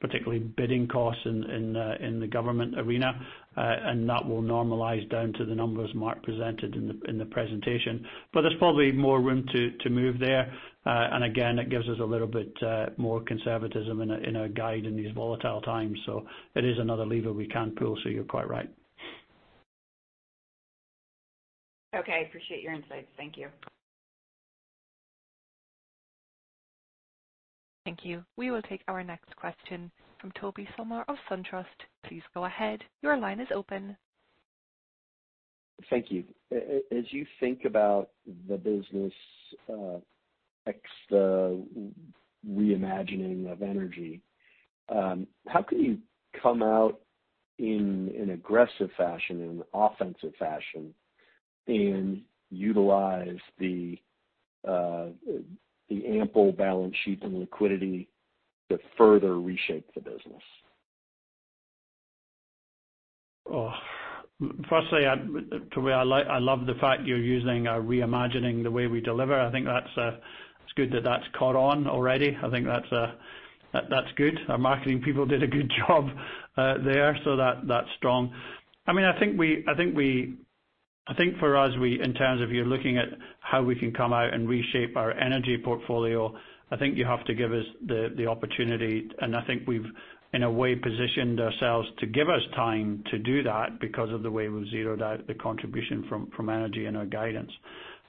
particularly bidding costs in the government arena. That will normalize down to the numbers Mark presented in the presentation. There's probably more room to move there. Again, it gives us a little bit more conservatism in our guide in these volatile times. It is another lever we can pull, so you're quite right. Okay. I appreciate your insights. Thank you. Thank you. We will take our next question from Tobey Sommer of SunTrust. Please go ahead. Your line is open. Thank you. As you think about the business, reimagining of energy, how can you come out in an aggressive fashion, in an offensive fashion, and utilize the ample balance sheet and liquidity to further reshape the business? Firstly, Tobey, I love the fact you're using reimagining the way we deliver. I think that's good that that's caught on already. I think that's good. Our marketing people did a good job there, so that's strong. I think for us, in terms of you looking at how we can come out and reshape our energy portfolio, I think you have to give us the opportunity, and I think we've, in a way, positioned ourselves to give us time to do that because of the way we've zeroed out the contribution from energy and our guidance.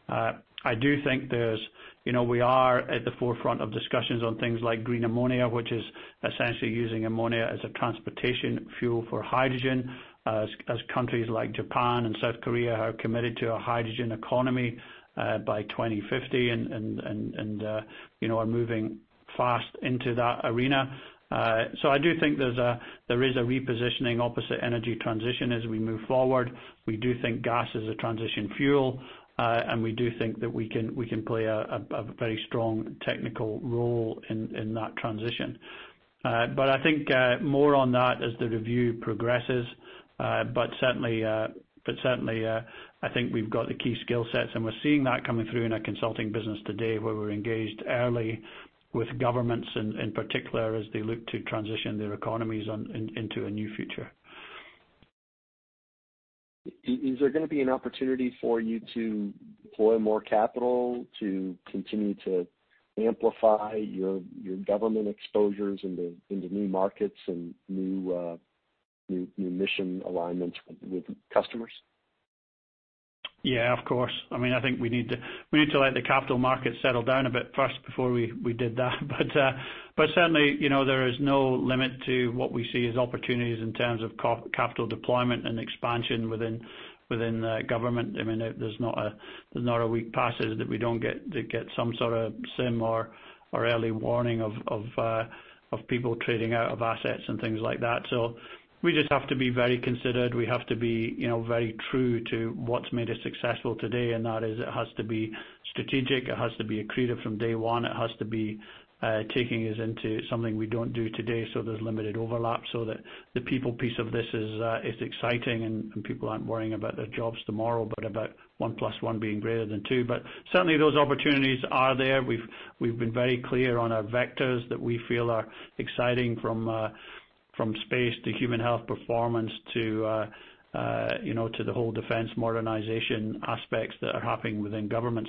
I do think we are at the forefront of discussions on things like green ammonia, which is essentially using ammonia as a transportation fuel for hydrogen, as countries like Japan and South Korea are committed to a hydrogen economy by 2050 and are moving fast into that arena. I do think there is a repositioning opposite energy transition as we move forward. We do think gas is a transition fuel, and we do think that we can play a very strong technical role in that transition. I think more on that as the review progresses. Certainly, I think we've got the key skill sets, and we're seeing that coming through in our consulting business today, where we're engaged early with governments in particular, as they look to transition their economies into a new future. Is there going to be an opportunity for you to deploy more capital to continue to amplify your government exposures into new markets and new mission alignments with customers? Yeah, of course. I think we need to let the capital market settle down a bit first before we did that. Certainly, there is no limit to what we see as opportunities in terms of capital deployment and expansion within the government. There's not a week passes that we don't get some sort of sim or early warning of people trading out of assets and things like that. We just have to be very considered. We have to be very true to what's made us successful today, and that is it has to be strategic, it has to be accretive from day one. It has to be taking us into something we don't do today, so there's limited overlap so that the people piece of this is exciting and people aren't worrying about their jobs tomorrow, but about one plus one being greater than two. Certainly, those opportunities are there. We've been very clear on our vectors that we feel are exciting from space to human health performance to the whole defense modernization aspects that are happening within government.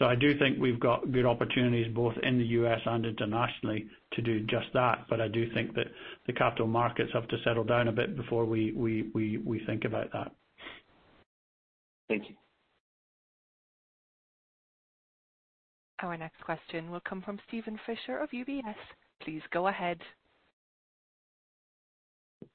I do think we've got good opportunities both in the U.S. and internationally to do just that. I do think that the capital markets have to settle down a bit before we think about that. Thank you. Our next question will come from Steven Fisher of UBS. Please go ahead.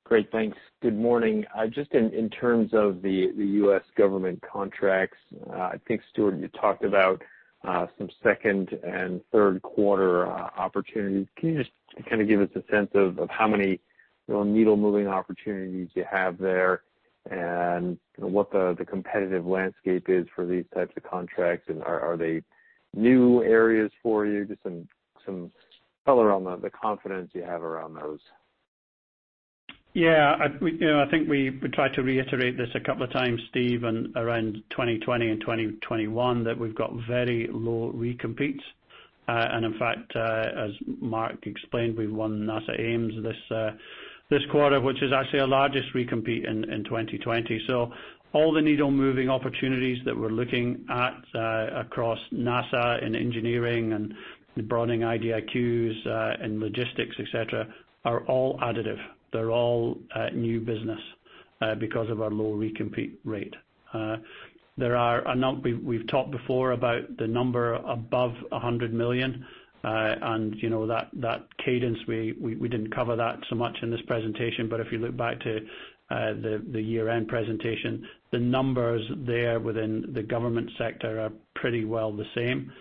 Great. Thanks. Good morning. Just in terms of the U.S. government contracts, I think, Stuart, you talked about some second and third quarter opportunities. Can you just give us a sense of how many needle-moving opportunities you have there and what the competitive landscape is for these types of contracts, and are they new areas for you? Just some color on the confidence you have around those. Yeah. I think we tried to reiterate this a couple of times, Steve, around 2020 and 2021, that we've got very low recompetes. In fact, as Mark explained, we won NASA Ames this quarter, which is actually our largest recompete in 2020. All the needle-moving opportunities that we're looking at across NASA in engineering and the broadening IDIQs, and logistics, et cetera, are all additive. They're all new business because of our low recompete rate. We've talked before about the number above $100 million, and that cadence, we didn't cover that so much in this presentation. If you look back to the year-end presentation, the numbers there within the government sector are pretty well the same.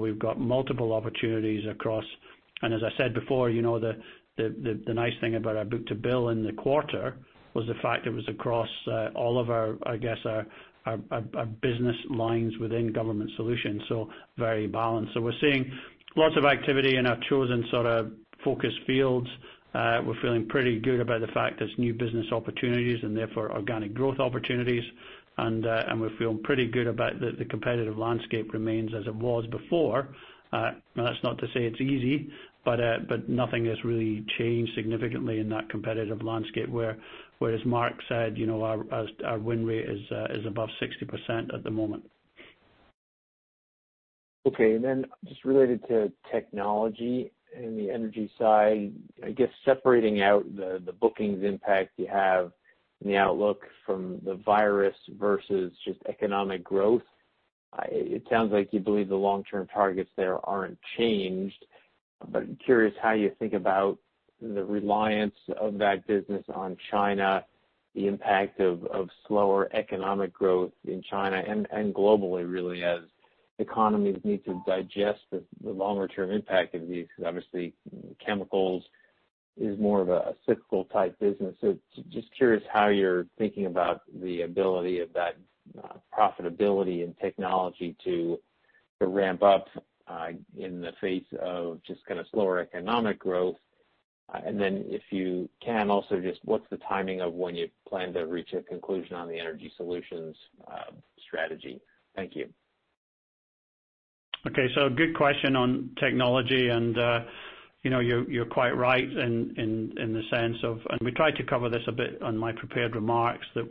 We've got multiple opportunities across. As I said before, the nice thing about our book-to-bill in the quarter was the fact it was across all of our business lines within Government Solutions. Very balanced. We're seeing lots of activity in our chosen sort of focus fields. We're feeling pretty good about the fact there's new business opportunities and therefore organic growth opportunities. We're feeling pretty good about the competitive landscape remains as it was before. Now, that's not to say it's easy, nothing has really changed significantly in that competitive landscape where, as Mark said, our win rate is above 60% at the moment. Okay, just related to technology in the energy side, I guess separating out the bookings impact you have and the outlook from the virus versus just economic growth. It sounds like you believe the long-term targets there aren't changed. I'm curious how you think about the reliance of that business on China, the impact of slower economic growth in China and globally, really, as economies need to digest the longer-term impact of these, because obviously chemicals is more of a cyclical type business. Just curious how you're thinking about the ability of that profitability and technology to ramp up in the face of just kind of slower economic growth. If you can, also just what's the timing of when you plan to reach a conclusion on the Energy Solutions strategy? Thank you. Okay, good question on technology. You're quite right in the sense of, we tried to cover this a bit on my prepared remarks, that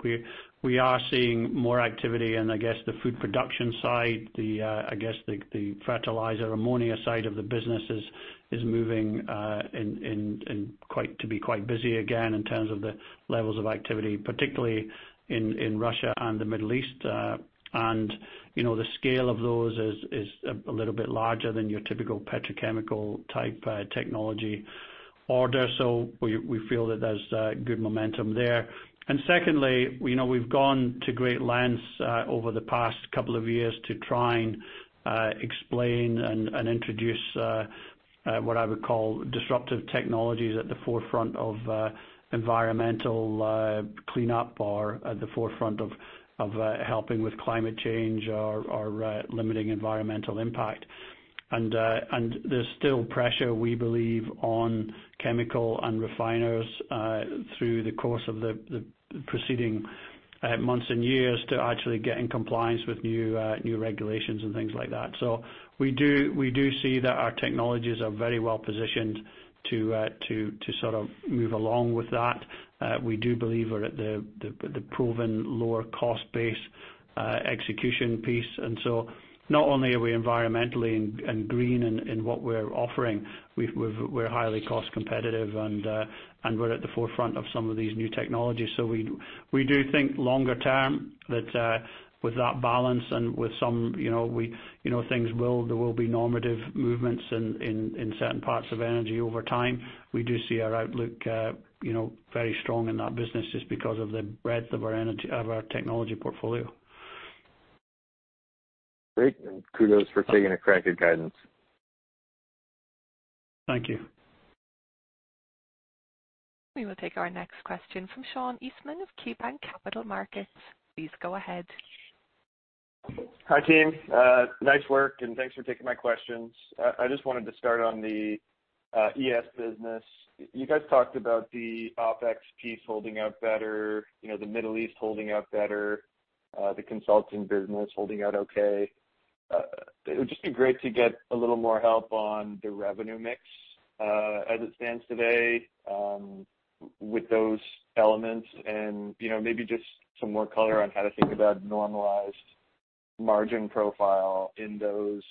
we are seeing more activity in, I guess, the food production side. I guess the fertilizer ammonia side of the business is moving to be quite busy again in terms of the levels of activity, particularly in Russia and the Middle East. The scale of those is a little bit larger than your typical petrochemical type technology order. We feel that there's good momentum there. Secondly, we've gone to great lengths over the past couple of years to try and explain and introduce what I would call disruptive technologies at the forefront of environmental cleanup or at the forefront of helping with climate change or limiting environmental impact. There's still pressure, we believe, on chemical and refiners through the course of the proceeding months and years to actually get in compliance with new regulations and things like that. We do see that our technologies are very well positioned to sort of move along with that. We do believe we're at the proven lower cost base execution piece. Not only are we environmentally and green in what we're offering, we're highly cost competitive and we're at the forefront of some of these new technologies. We do think longer term that with that balance and with some things there will be normative movements in certain parts of energy over time. We do see our outlook very strong in that business just because of the breadth of our technology portfolio. Great, kudos for taking a crack at guidance. Thank you. We will take our next question from Sean Eastman of KeyBanc Capital Markets. Please go ahead. Hi, team. Nice work and thanks for taking my questions. I just wanted to start on the ES business. You guys talked about the OpEx piece holding up better, the Middle East holding up better, the consulting business holding out okay. It would just be great to get a little more help on the revenue mix as it stands today with those elements and maybe just some more color on how to think about normalized margin profile in those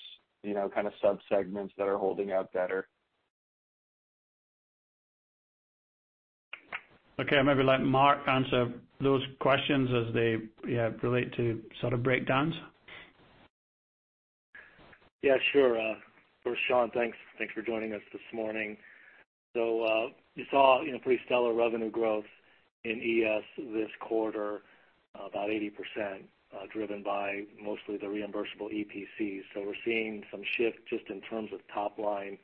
kind of sub-segments that are holding up better. Okay, I'll maybe let Mark answer those questions as they relate to sort of breakdowns. Yeah, sure. Sean Eastman, thanks for joining us this morning. You saw pretty stellar revenue growth in ES this quarter, about 80% driven by mostly the reimbursable EPCs. We're seeing some shift just in terms of top line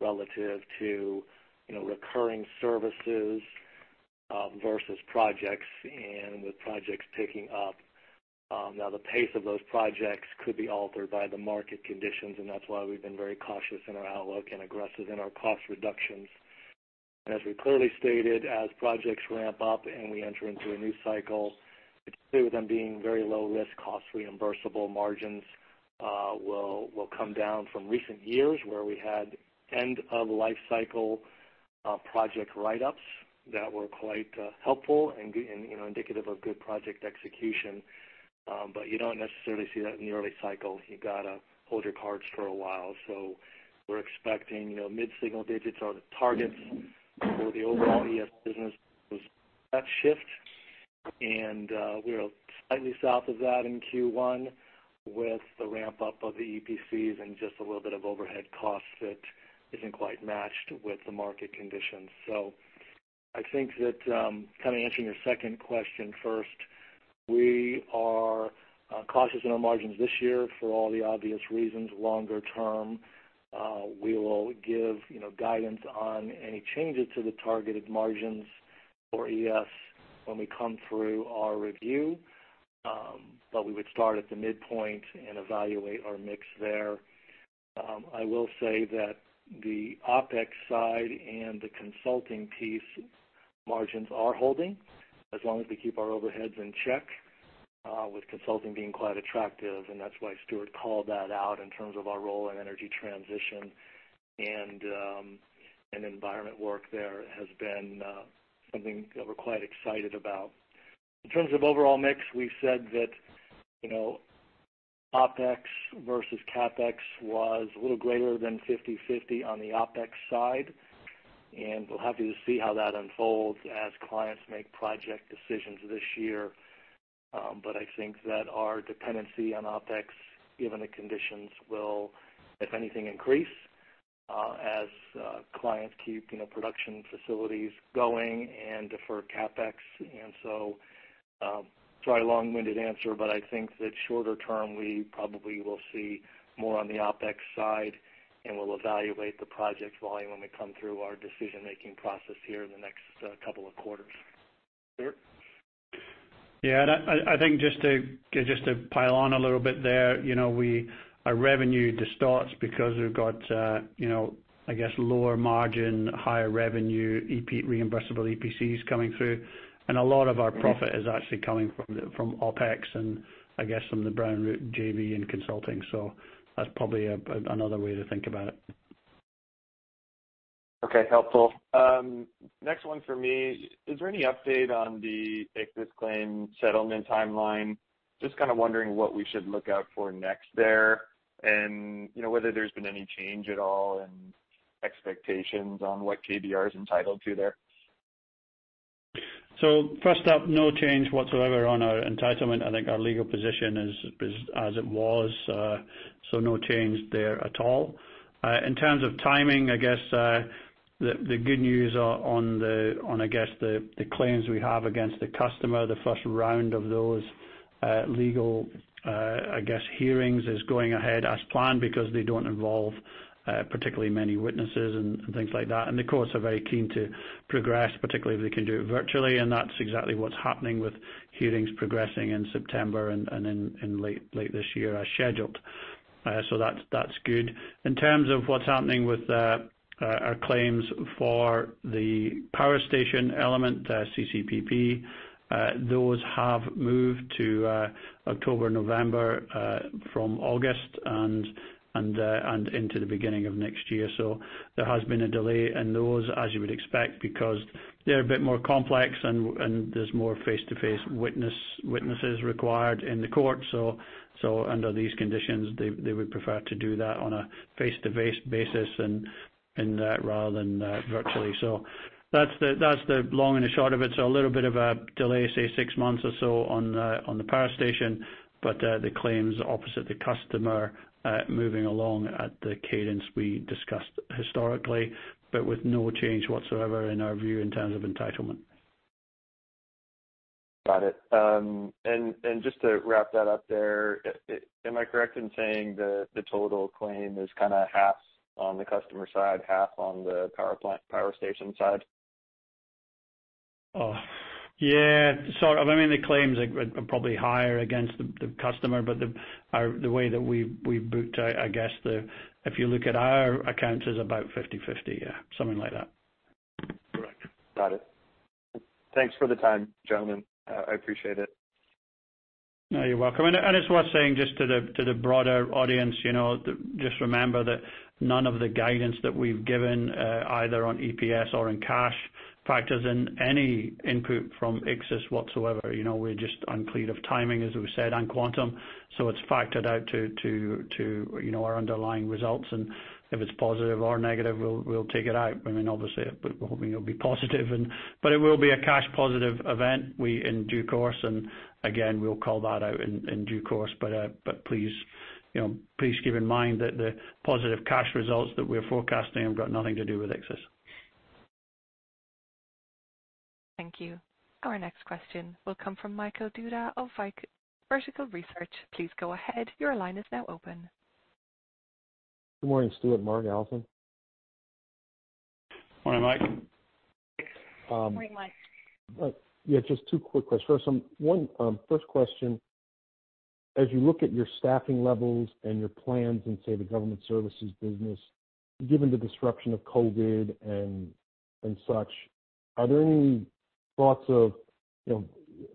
relative to recurring services versus projects and with projects picking up. Now, the pace of those projects could be altered by the market conditions, and that's why we've been very cautious in our outlook and aggressive in our cost reductions. As we clearly stated, as projects ramp up and we enter into a new cycle, particularly with them being very low risk, cost reimbursable margins will come down from recent years where we had end of life cycle project write-ups that were quite helpful and indicative of good project execution. You don't necessarily see that in the early cycle. You got to hold your cards for a while. We're expecting mid-single digits are the targets for the overall ES business that shift. We're slightly south of that in Q1 with the ramp-up of the EPCs and just a little bit of overhead cost that isn't quite matched with the market conditions. I think that, kind of answering your second question first, we are cautious in our margins this year for all the obvious reasons. Longer term, we will give guidance on any changes to the targeted margins for ES when we come through our review. We would start at the midpoint and evaluate our mix there. I will say that the OpEx side and the consulting piece margins are holding as long as we keep our overheads in check, with consulting being quite attractive, and that's why Stuart Bradie called that out in terms of our role in energy transition and environment work there has been something that we're quite excited about. In terms of overall mix, we've said that OpEx versus CapEx was a little greater than 50/50 on the OpEx side, and we'll have to see how that unfolds as clients make project decisions this year. I think that our dependency on OpEx, given the conditions, will, if anything, increase as clients keep production facilities going and defer CapEx. Sorry, long-winded answer, but I think that shorter term, we probably will see more on the OpEx side, and we'll evaluate the project volume when we come through our decision-making process here in the next couple of quarters. Stuart Bradie? I think just to pile on a little bit there, our revenue distorts because we've got, I guess, lower margin, higher revenue, reimbursable EPCs coming through. A lot of our profit is actually coming from OpEx and I guess from the Brown & Root JV and consulting. That's probably another way to think about it. Okay, helpful. Next one for me. Is there any update on the Ichthys claim settlement timeline? Just kind of wondering what we should look out for next there, and whether there's been any change at all in expectations on what KBR is entitled to there. First up, no change whatsoever on our entitlement. I think our legal position is as it was. No change there at all. In terms of timing, I guess, the good news on the claims we have against the customer, the first round of those legal hearings is going ahead as planned because they don't involve particularly many witnesses and things like that. The courts are very keen to progress, particularly if they can do it virtually, and that's exactly what's happening with hearings progressing in September and in late this year as scheduled. That's good. In terms of what's happening with our claims for the power station element, the CCPP, those have moved to October, November from August and into the beginning of next year. There has been a delay in those, as you would expect, because they're a bit more complex and there's more face-to-face witnesses required in the court. Under these conditions, they would prefer to do that on a face-to-face basis rather than virtually. That's the long and the short of it. A little bit of a delay, say six months or so on the power station, but the claims opposite the customer are moving along at the cadence we discussed historically, but with no change whatsoever in our view in terms of entitlement. Got it. Just to wrap that up there, am I correct in saying the total claim is kind of half on the customer side, half on the power station side? Yeah. I mean, the claims are probably higher against the customer, but the way that we book, if you look at our accounts is about 50/50. Yeah. Something like that. Correct. Got it. Thanks for the time, gentlemen. I appreciate it. No, you're welcome. It's worth saying just to the broader audience, just remember that none of the guidance that we've given, either on EPS or in cash factors in any input from Ichthys whatsoever. We're just unclear of timing, as we said, on quantum, so it's factored out to our underlying results. If it's positive or negative, we'll take it out. Obviously, we're hoping it'll be positive. It will be a cash positive event in due course, and again, we'll call that out in due course. Please keep in mind that the positive cash results that we're forecasting have got nothing to do with Ichthys. Thank you. Our next question will come from Michael Dudas of Vertical Research. Please go ahead. Your line is now open. Good morning, Stuart, Mark, Alison. Morning, Mike. Morning, Mike. Yeah, just two quick questions. First question, as you look at your staffing levels and your plans in, say, the government services business, given the disruption of COVID and such, are there any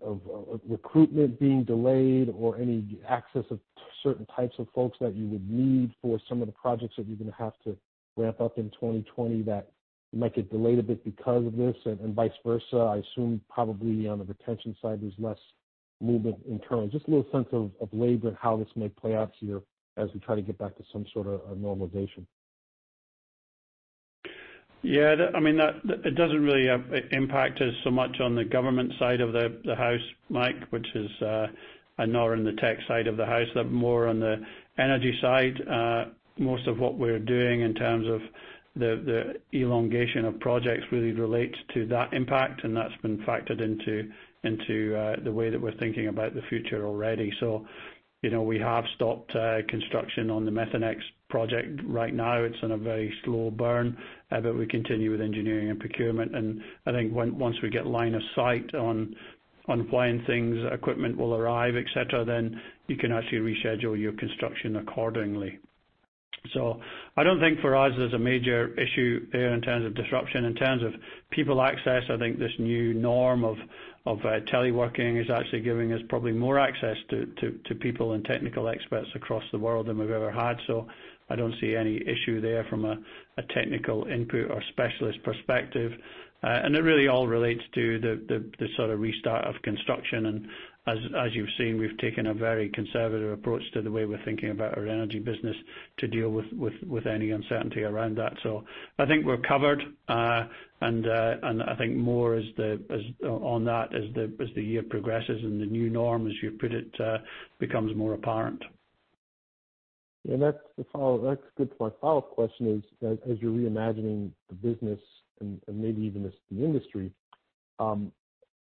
thoughts of recruitment being delayed or any access of certain types of folks that you would need for some of the projects that you're going to have to ramp up in 2020 that might get delayed a bit because of this and vice versa? I assume probably on the retention side, there's less movement in terms. Just a little sense of labor and how this may play out here as we try to get back to some sort of normalization. Yeah. It doesn't really impact us so much on the government side of the house, Mike, which is nor in the tech side of the house, more on the energy side. Most of what we're doing in terms of the elongation of projects really relates to that impact, and that's been factored into the way that we're thinking about the future already. We have stopped construction on the Methanex project. Right now it's on a very slow burn, but we continue with engineering and procurement. I think once we get line of sight on when things, equipment will arrive, et cetera, then you can actually reschedule your construction accordingly. I don't think for us there's a major issue there in terms of disruption. In terms of people access, I think this new norm of teleworking is actually giving us probably more access to people and technical experts across the world than we've ever had. I don't see any issue there from a technical input or specialist perspective. It really all relates to the sort of restart of construction. As you've seen, we've taken a very conservative approach to the way we're thinking about our energy business to deal with any uncertainty around that. I think we're covered, and I think more on that as the year progresses and the new norm, as you put it, becomes more apparent. Yeah, that's good. My follow-up question is, as you're reimagining the business and maybe even as the industry, do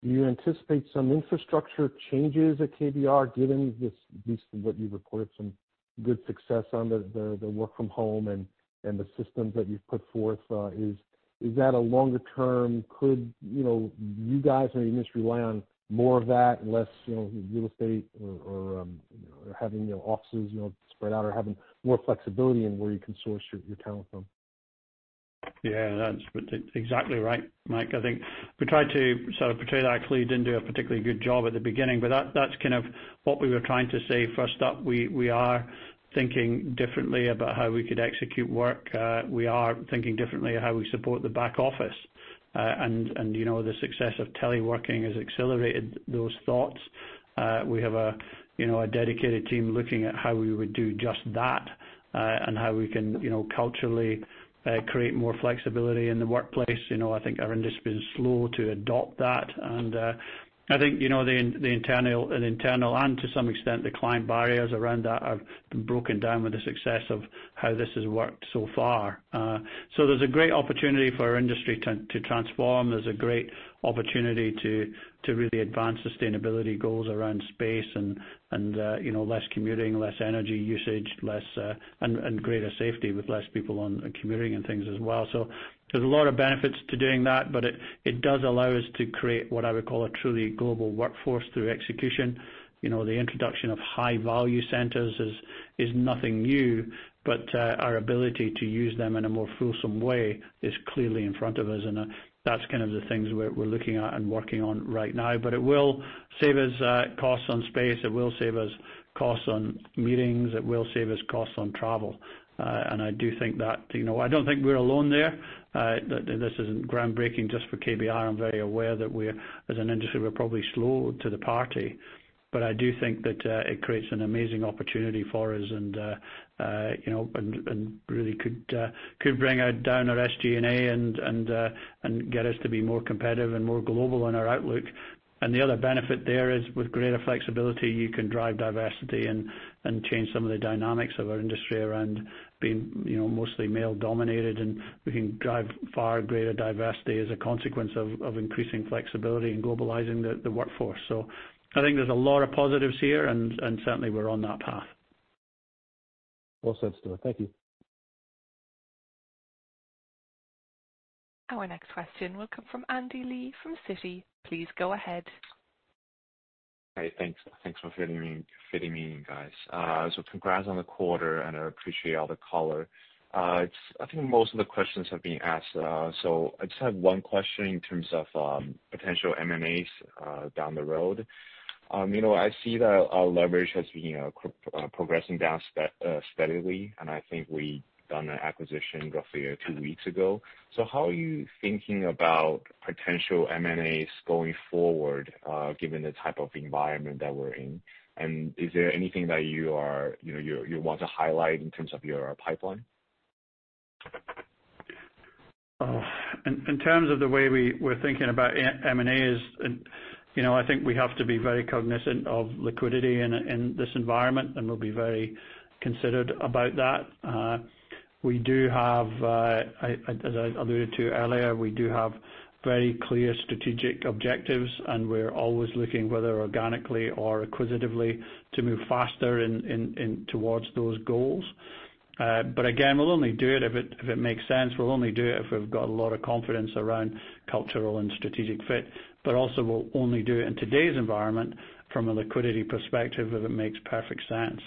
you anticipate some infrastructure changes at KBR, given at least what you've reported, some good success on the work from home and the systems that you've put forth? Is that a longer term? Could you guys or your industry rely on more of that and less real estate or having offices spread out or having more flexibility in where you can source your talent from? Yeah, that's exactly right, Mike. I think we tried to sort of portray that, actually didn't do a particularly good job at the beginning, but that's kind of what we were trying to say. First up, we are thinking differently about how we could execute work. We are thinking differently how we support the back office. The success of teleworking has accelerated those thoughts. We have a dedicated team looking at how we would do just that, and how we can culturally create more flexibility in the workplace. I think our industry's been slow to adopt that. I think the internal and, to some extent, the client barriers around that have been broken down with the success of how this has worked so far. There's a great opportunity for our industry to transform. There's a great opportunity to really advance sustainability goals around space and less commuting, less energy usage, and greater safety with less people on commuting and things as well. There's a lot of benefits to doing that, but it does allow us to create what I would call a truly global workforce through execution. The introduction of high value centers is nothing new, but our ability to use them in a more fulsome way is clearly in front of us, and that's kind of the things we're looking at and working on right now. It will save us costs on space, it will save us costs on meetings, it will save us costs on travel. I don't think we're alone there. This isn't groundbreaking just for KBR. I'm very aware that we as an industry, we're probably slow to the party. I do think that it creates an amazing opportunity for us and really could bring down our SG&A and get us to be more competitive and more global in our outlook. The other benefit there is with greater flexibility, you can drive diversity and change some of the dynamics of our industry around being mostly male dominated, and we can drive far greater diversity as a consequence of increasing flexibility and globalizing the workforce. I think there's a lot of positives here, and certainly we're on that path. Well said, Stuart. Thank you. Our next question will come from Andy Lee from Citi. Please go ahead. Thanks for fitting me in, guys. Congrats on the quarter, and I appreciate all the color. I think most of the questions have been asked. I just have one question in terms of potential M&As down the road. I see that our leverage has been progressing down steadily, and I think we've done an acquisition roughly two weeks ago. How are you thinking about potential M&As going forward, given the type of environment that we're in? Is there anything that you want to highlight in terms of your pipeline? In terms of the way we're thinking about M&A is, I think we have to be very cognizant of liquidity in this environment, and we'll be very considered about that. As I alluded to earlier, we do have very clear strategic objectives, and we're always looking, whether organically or acquisitively, to move faster towards those goals. Again, we'll only do it if it makes sense. We'll only do it if we've got a lot of confidence around cultural and strategic fit, we'll only do it in today's environment from a liquidity perspective, if it makes perfect sense.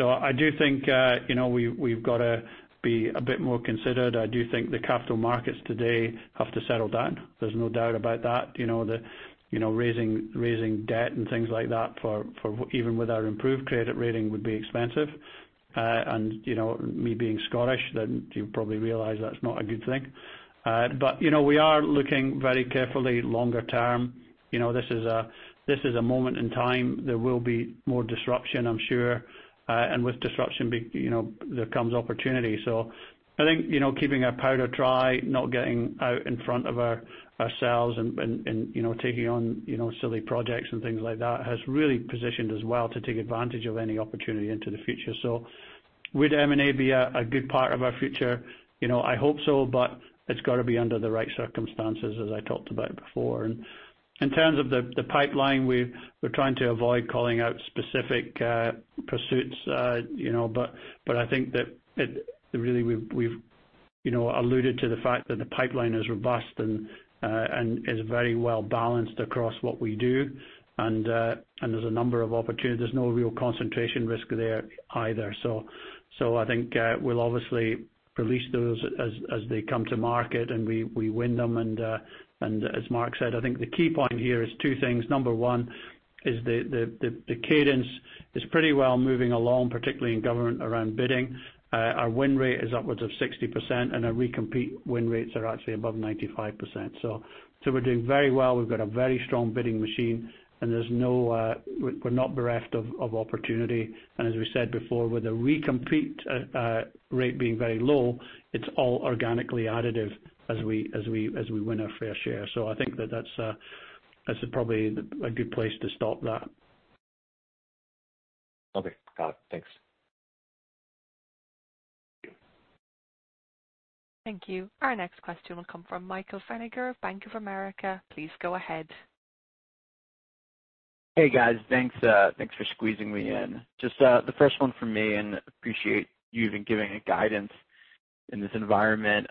I do think we've got to be a bit more considered. I do think the capital markets today have to settle down. There's no doubt about that. Raising debt and things like that, even with our improved credit rating, would be expensive. Me being Scottish, you probably realize that's not a good thing. We are looking very carefully longer term. This is a moment in time. There will be more disruption, I'm sure. With disruption, there comes opportunity. I think keeping our powder dry, not getting out in front of ourselves and taking on silly projects and things like that has really positioned us well to take advantage of any opportunity into the future. Would M&A be a good part of our future? I hope so, it's got to be under the right circumstances, as I talked about before. In terms of the pipeline, we're trying to avoid calling out specific pursuits. I think that really we've alluded to the fact that the pipeline is robust and is very well-balanced across what we do. There's a number of opportunities. There's no real concentration risk there either. I think we'll obviously release those as they come to market and we win them. As Mark said, I think the key point here is two things. Number one is the cadence is pretty well moving along, particularly in government around bidding. Our win rate is upwards of 60%, and our recompete win rates are actually above 95%. We're doing very well. We've got a very strong bidding machine, and we're not bereft of opportunity. As we said before, with the recompete rate being very low, it's all organically additive as we win our fair share. I think that that's probably a good place to stop that. Okay. Got it. Thanks. Thank you. Our next question will come from Michael Feniger of Bank of America. Please go ahead. Hey, guys. Thanks for squeezing me in. Just the first one from me. Appreciate you even giving a guidance in this environment.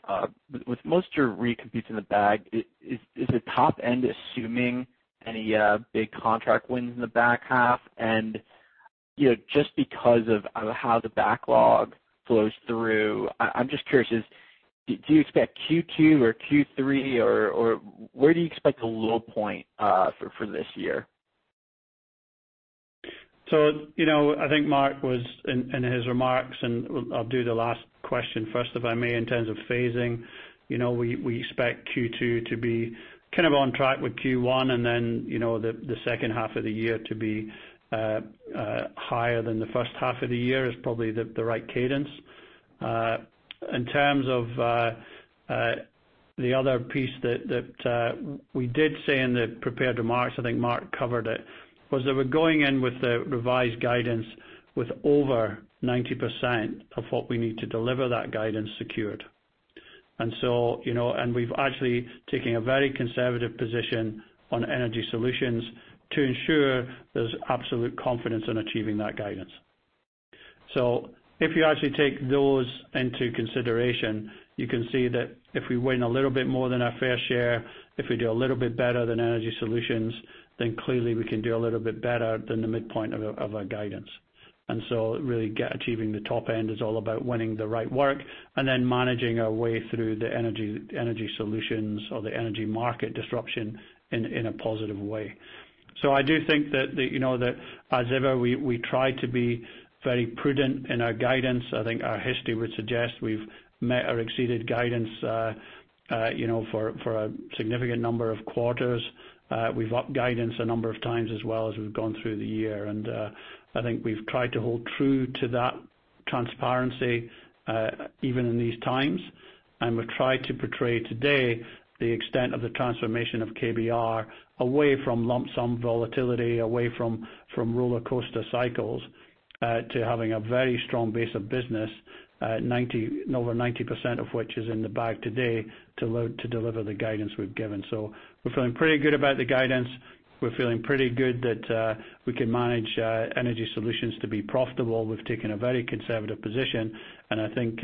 With most of your recompetes in the bag, is the top end assuming any big contract wins in the back half? Just because of how the backlog flows through, I'm just curious, do you expect Q2 or Q3, or where do you expect the low point for this year? I think Mark was in his remarks, I'll do the last question first, if I may, in terms of phasing. We expect Q2 to be kind of on track with Q1. The second half of the year to be higher than the first half of the year is probably the right cadence. In terms of the other piece that we did say in the prepared remarks, I think Mark covered it, was that we're going in with the revised guidance with over 90% of what we need to deliver that guidance secured. We've actually taken a very conservative position on Energy Solutions to ensure there's absolute confidence in achieving that guidance. If you actually take those into consideration, you can see that if we win a little bit more than our fair share, if we do a little bit better than Energy Solutions, clearly we can do a little bit better than the midpoint of our guidance. Really achieving the top end is all about winning the right work and then managing our way through the Energy Solutions or the energy market disruption in a positive way. I do think that as ever, we try to be very prudent in our guidance. I think our history would suggest we've met or exceeded guidance for a significant number of quarters. We've upped guidance a number of times as well as we've gone through the year. I think we've tried to hold true to that transparency even in these times. We've tried to portray today the extent of the transformation of KBR away from lump sum volatility, away from roller coaster cycles to having a very strong base of business, over 90% of which is in the bag today to deliver the guidance we've given. We're feeling pretty good about the guidance. We're feeling pretty good that we can manage Energy Solutions to be profitable. We've taken a very conservative position, and I think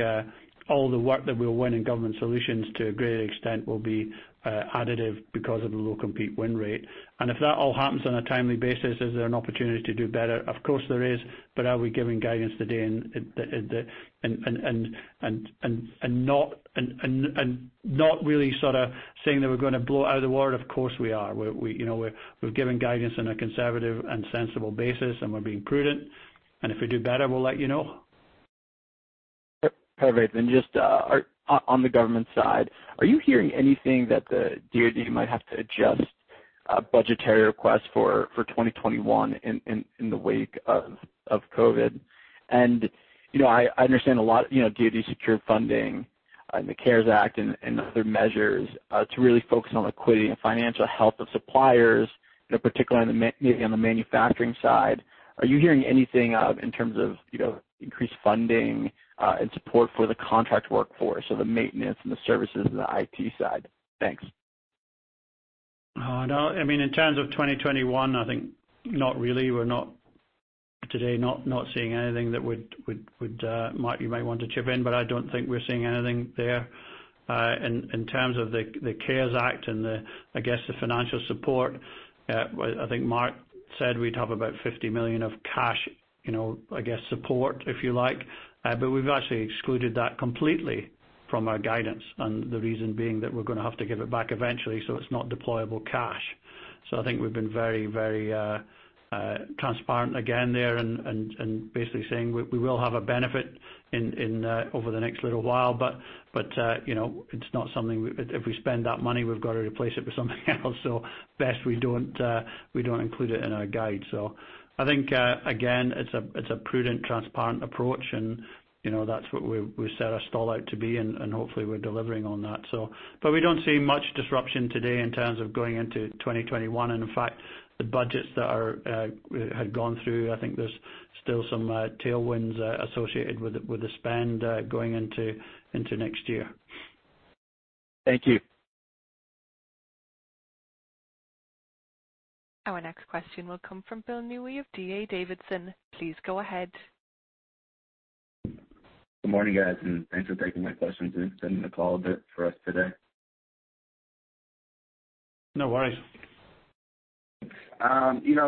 all the work that we'll win in Government Solutions to a great extent will be additive because of the low compete win rate. If that all happens on a timely basis, is there an opportunity to do better? Of course there is. Are we giving guidance today and not really sort of saying that we're going to blow out of the water? Of course we are. We've given guidance on a conservative and sensible basis, and we're being prudent. If we do better, we'll let you know. Perfect. Just on the government side, are you hearing anything that the DoD might have to adjust a budgetary request for 2021 in the wake of COVID? I understand a lot DoD secured funding, the CARES Act and other measures to really focus on liquidity and financial health of suppliers, particularly on the manufacturing side. Are you hearing anything in terms of increased funding and support for the contract workforce or the maintenance and the services and the IT side? Thanks. No. In terms of 2021, I think not really. We're today not seeing anything that would-- Mark, you might want to chip in, but I don't think we're seeing anything there. In terms of the CARES Act and I guess the financial support, I think Mark said we'd have about $50 million of cash support, if you like. We've actually excluded that completely from our guidance. The reason being that we're going to have to give it back eventually, so it's not deployable cash. I think we've been very transparent again there and basically saying we will have a benefit over the next little while, but it's not something-- If we spend that money, we've got to replace it with something else, so best we don't include it in our guide. I think, again, it's a prudent, transparent approach and that's what we set our stall out to be, and hopefully we're delivering on that. We don't see much disruption today in terms of going into 2021. In fact, the budgets that had gone through, I think there's still some tailwinds associated with the spend going into next year. Thank you. Our next question will come from Bill Newby of D.A. Davidson. Please go ahead. Good morning, guys. Thanks for taking my questions and extending the call a bit for us today. No worries.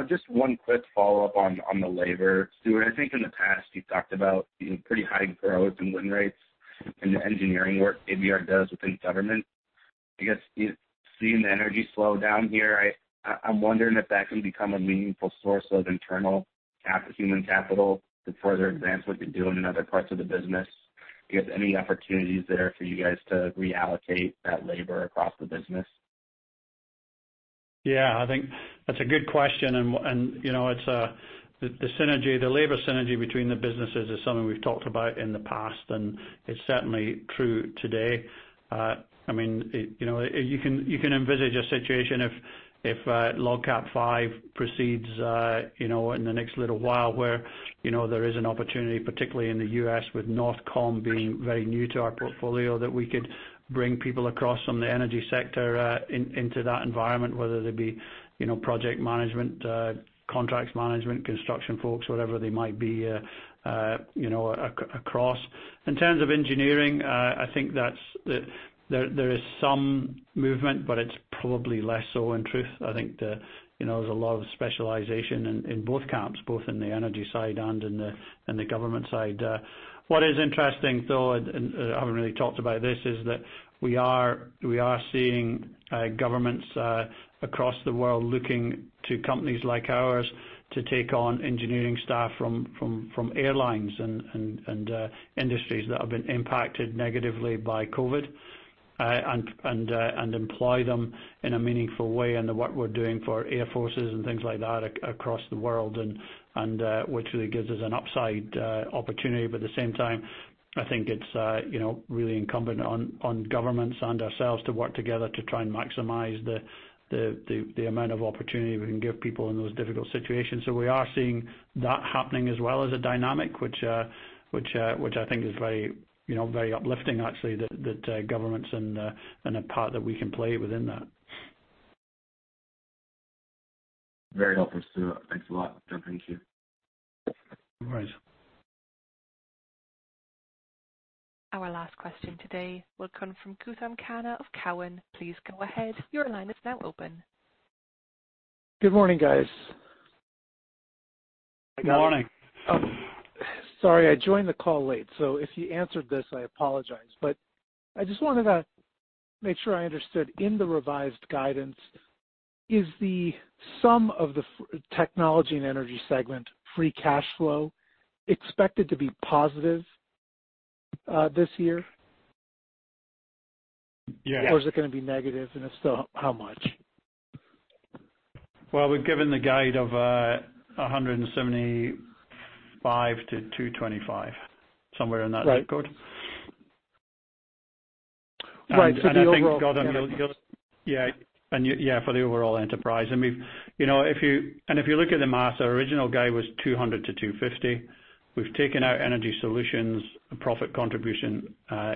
Just one quick follow-up on the labor. Stuart, I think in the past you've talked about seeing pretty high growth and win rates in the engineering work KBR does within Government. I guess you're seeing the energy slow down here. I'm wondering if that can become a meaningful source of internal human capital to further advance what you're doing in other parts of the business. Do you have any opportunities there for you guys to reallocate that labor across the business? Yeah, I think that's a good question. The labor synergy between the businesses is something we've talked about in the past. It's certainly true today. You can envisage a situation if LogCAP V proceeds in the next little while where there is an opportunity, particularly in the U.S. with NORTHCOM being very new to our portfolio, that we could bring people across from the energy sector into that environment, whether they be project management, contracts management, construction folks, whatever they might be across. In terms of engineering, I think there is some movement, but it's probably less so in truth. I think there's a lot of specialization in both camps, both in the energy side and in the government side. What is interesting, though, I haven't really talked about this, is that we are seeing governments across the world looking to companies like ours to take on engineering staff from airlines and industries that have been impacted negatively by COVID and employ them in a meaningful way in the work we're doing for air forces and things like that across the world which really gives us an upside opportunity. At the same time, I think it's really incumbent on governments and ourselves to work together to try and maximize the amount of opportunity we can give people in those difficult situations. We are seeing that happening as well as a dynamic, which I think is very uplifting, actually, that governments and the part that we can play within that. Very helpful, Stuart. Thanks a lot. Thank you. All right. Our last question today will come from Gautam Khanna of Cowen. Please go ahead. Your line is now open. Good morning, guys. Good morning. Sorry, I joined the call late, so if you answered this, I apologize. I just wanted to make sure I understood. In the revised guidance, is the sum of the Technology and Energy segment free cash flow expected to be positive this year? Yes. Is it going to be negative, and if so, how much? Well, we've given the guide of $175-$225, somewhere in that zip code. Right. For the overall enterprise. Yeah, for the overall enterprise. If you look at the math, our original guide was $200-$250. We've taken our Energy Solutions profit contribution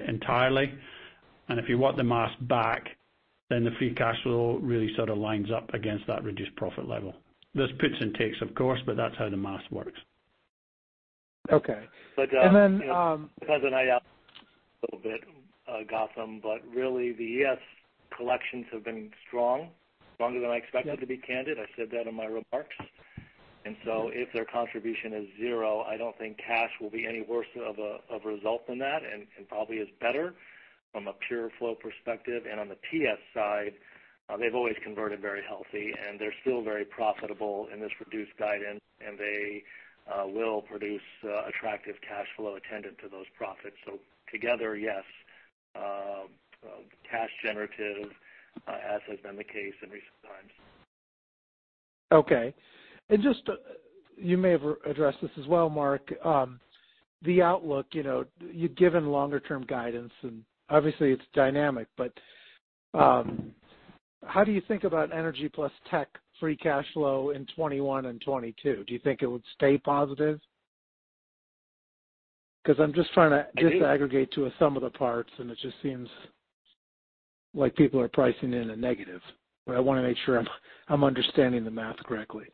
entirely. If you want the math back, the free cash flow really sort of lines up against that reduced profit level. There's pits and takes, of course, that's how the math works. Okay. Gautam, I have a little bit, but really the Energy Solutions collections have been strong, stronger than I expected to be candid. I said that in my remarks. If their contribution is zero, I don't think cash will be any worse of a result than that and probably is better. From a pure flow perspective and on the Technology Solutions side, they've always converted very healthy, and they're still very profitable in this reduced guidance, and they will produce attractive cash flow attendant to those profits. Together, yes, cash generative, as has been the case in recent times. Okay. You may have addressed this as well, Mark. The outlook, you've given longer-term guidance, and obviously it's dynamic, but how do you think about Energy Solutions plus Technology Solutions free cash flow in 2021 and 2022? Do you think it would stay positive? I'm just trying to disaggregate to a sum of the parts, and it just seems like people are pricing in a negative. I want to make sure I'm understanding the math correctly.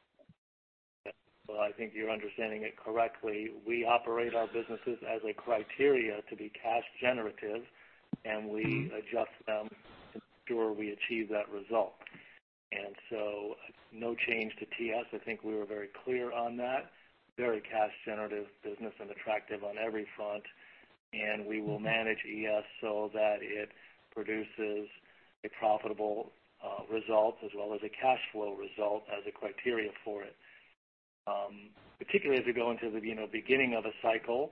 Well, I think you're understanding it correctly. We operate our businesses as a criteria to be cash generative, and we adjust them to ensure we achieve that result. No change to Technology Solutions. I think we were very clear on that. Very cash-generative business and attractive on every front. We will manage Energy Solutions so that it produces a profitable result as well as a cash flow result as a criteria for it. Particularly as we go into the beginning of a cycle,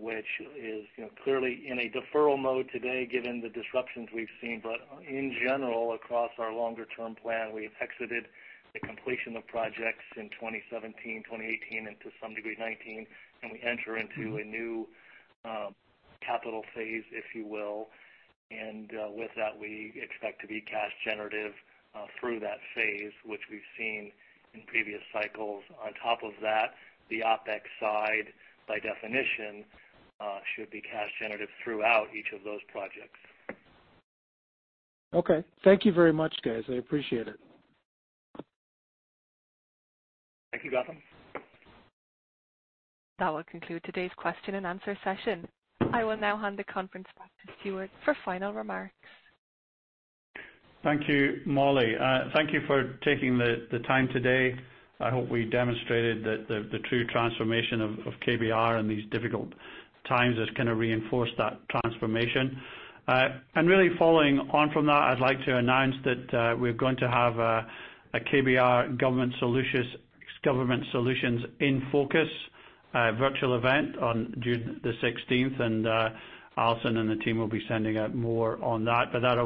which is clearly in a deferral mode today given the disruptions we've seen. In general, across our longer-term plan, we exited the completion of projects in 2017, 2018, and to some degree 2019, and we enter into a new capital phase, if you will. With that, we expect to be cash generative through that phase, which we've seen in previous cycles. On top of that, the OpEx side, by definition, should be cash generative throughout each of those projects. Okay. Thank you very much, guys. I appreciate it. Thank you, Gautam. That will conclude today's question and answer session. I will now hand the conference back to Stuart for final remarks. Thank you, Molly. Thank you for taking the time today. I hope we demonstrated the true transformation of KBR in these difficult times that's reinforced that transformation. Really following on from that, I'd like to announce that we're going to have a KBR Government Solutions in focus virtual event on June 16th, and Alison and the team will be sending out more on that. That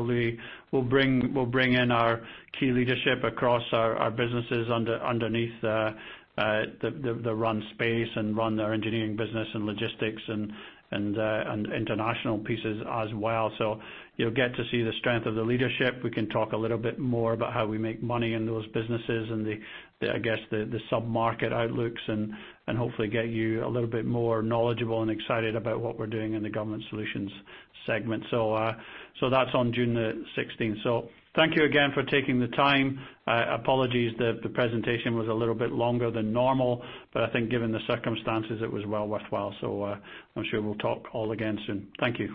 will bring in our key leadership across our businesses underneath the run space and run our engineering business and logistics and international pieces as well. You'll get to see the strength of the leadership. We can talk a little bit more about how we make money in those businesses and I guess the sub-market outlooks and hopefully get you a little bit more knowledgeable and excited about what we're doing in the Government Solutions segment. That's on June 16th. Thank you again for taking the time. Apologies that the presentation was a little bit longer than normal, I think given the circumstances, it was well worthwhile. I'm sure we'll talk all again soon. Thank you.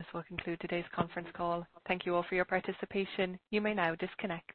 This will conclude today's conference call. Thank you all for your participation. You may now disconnect.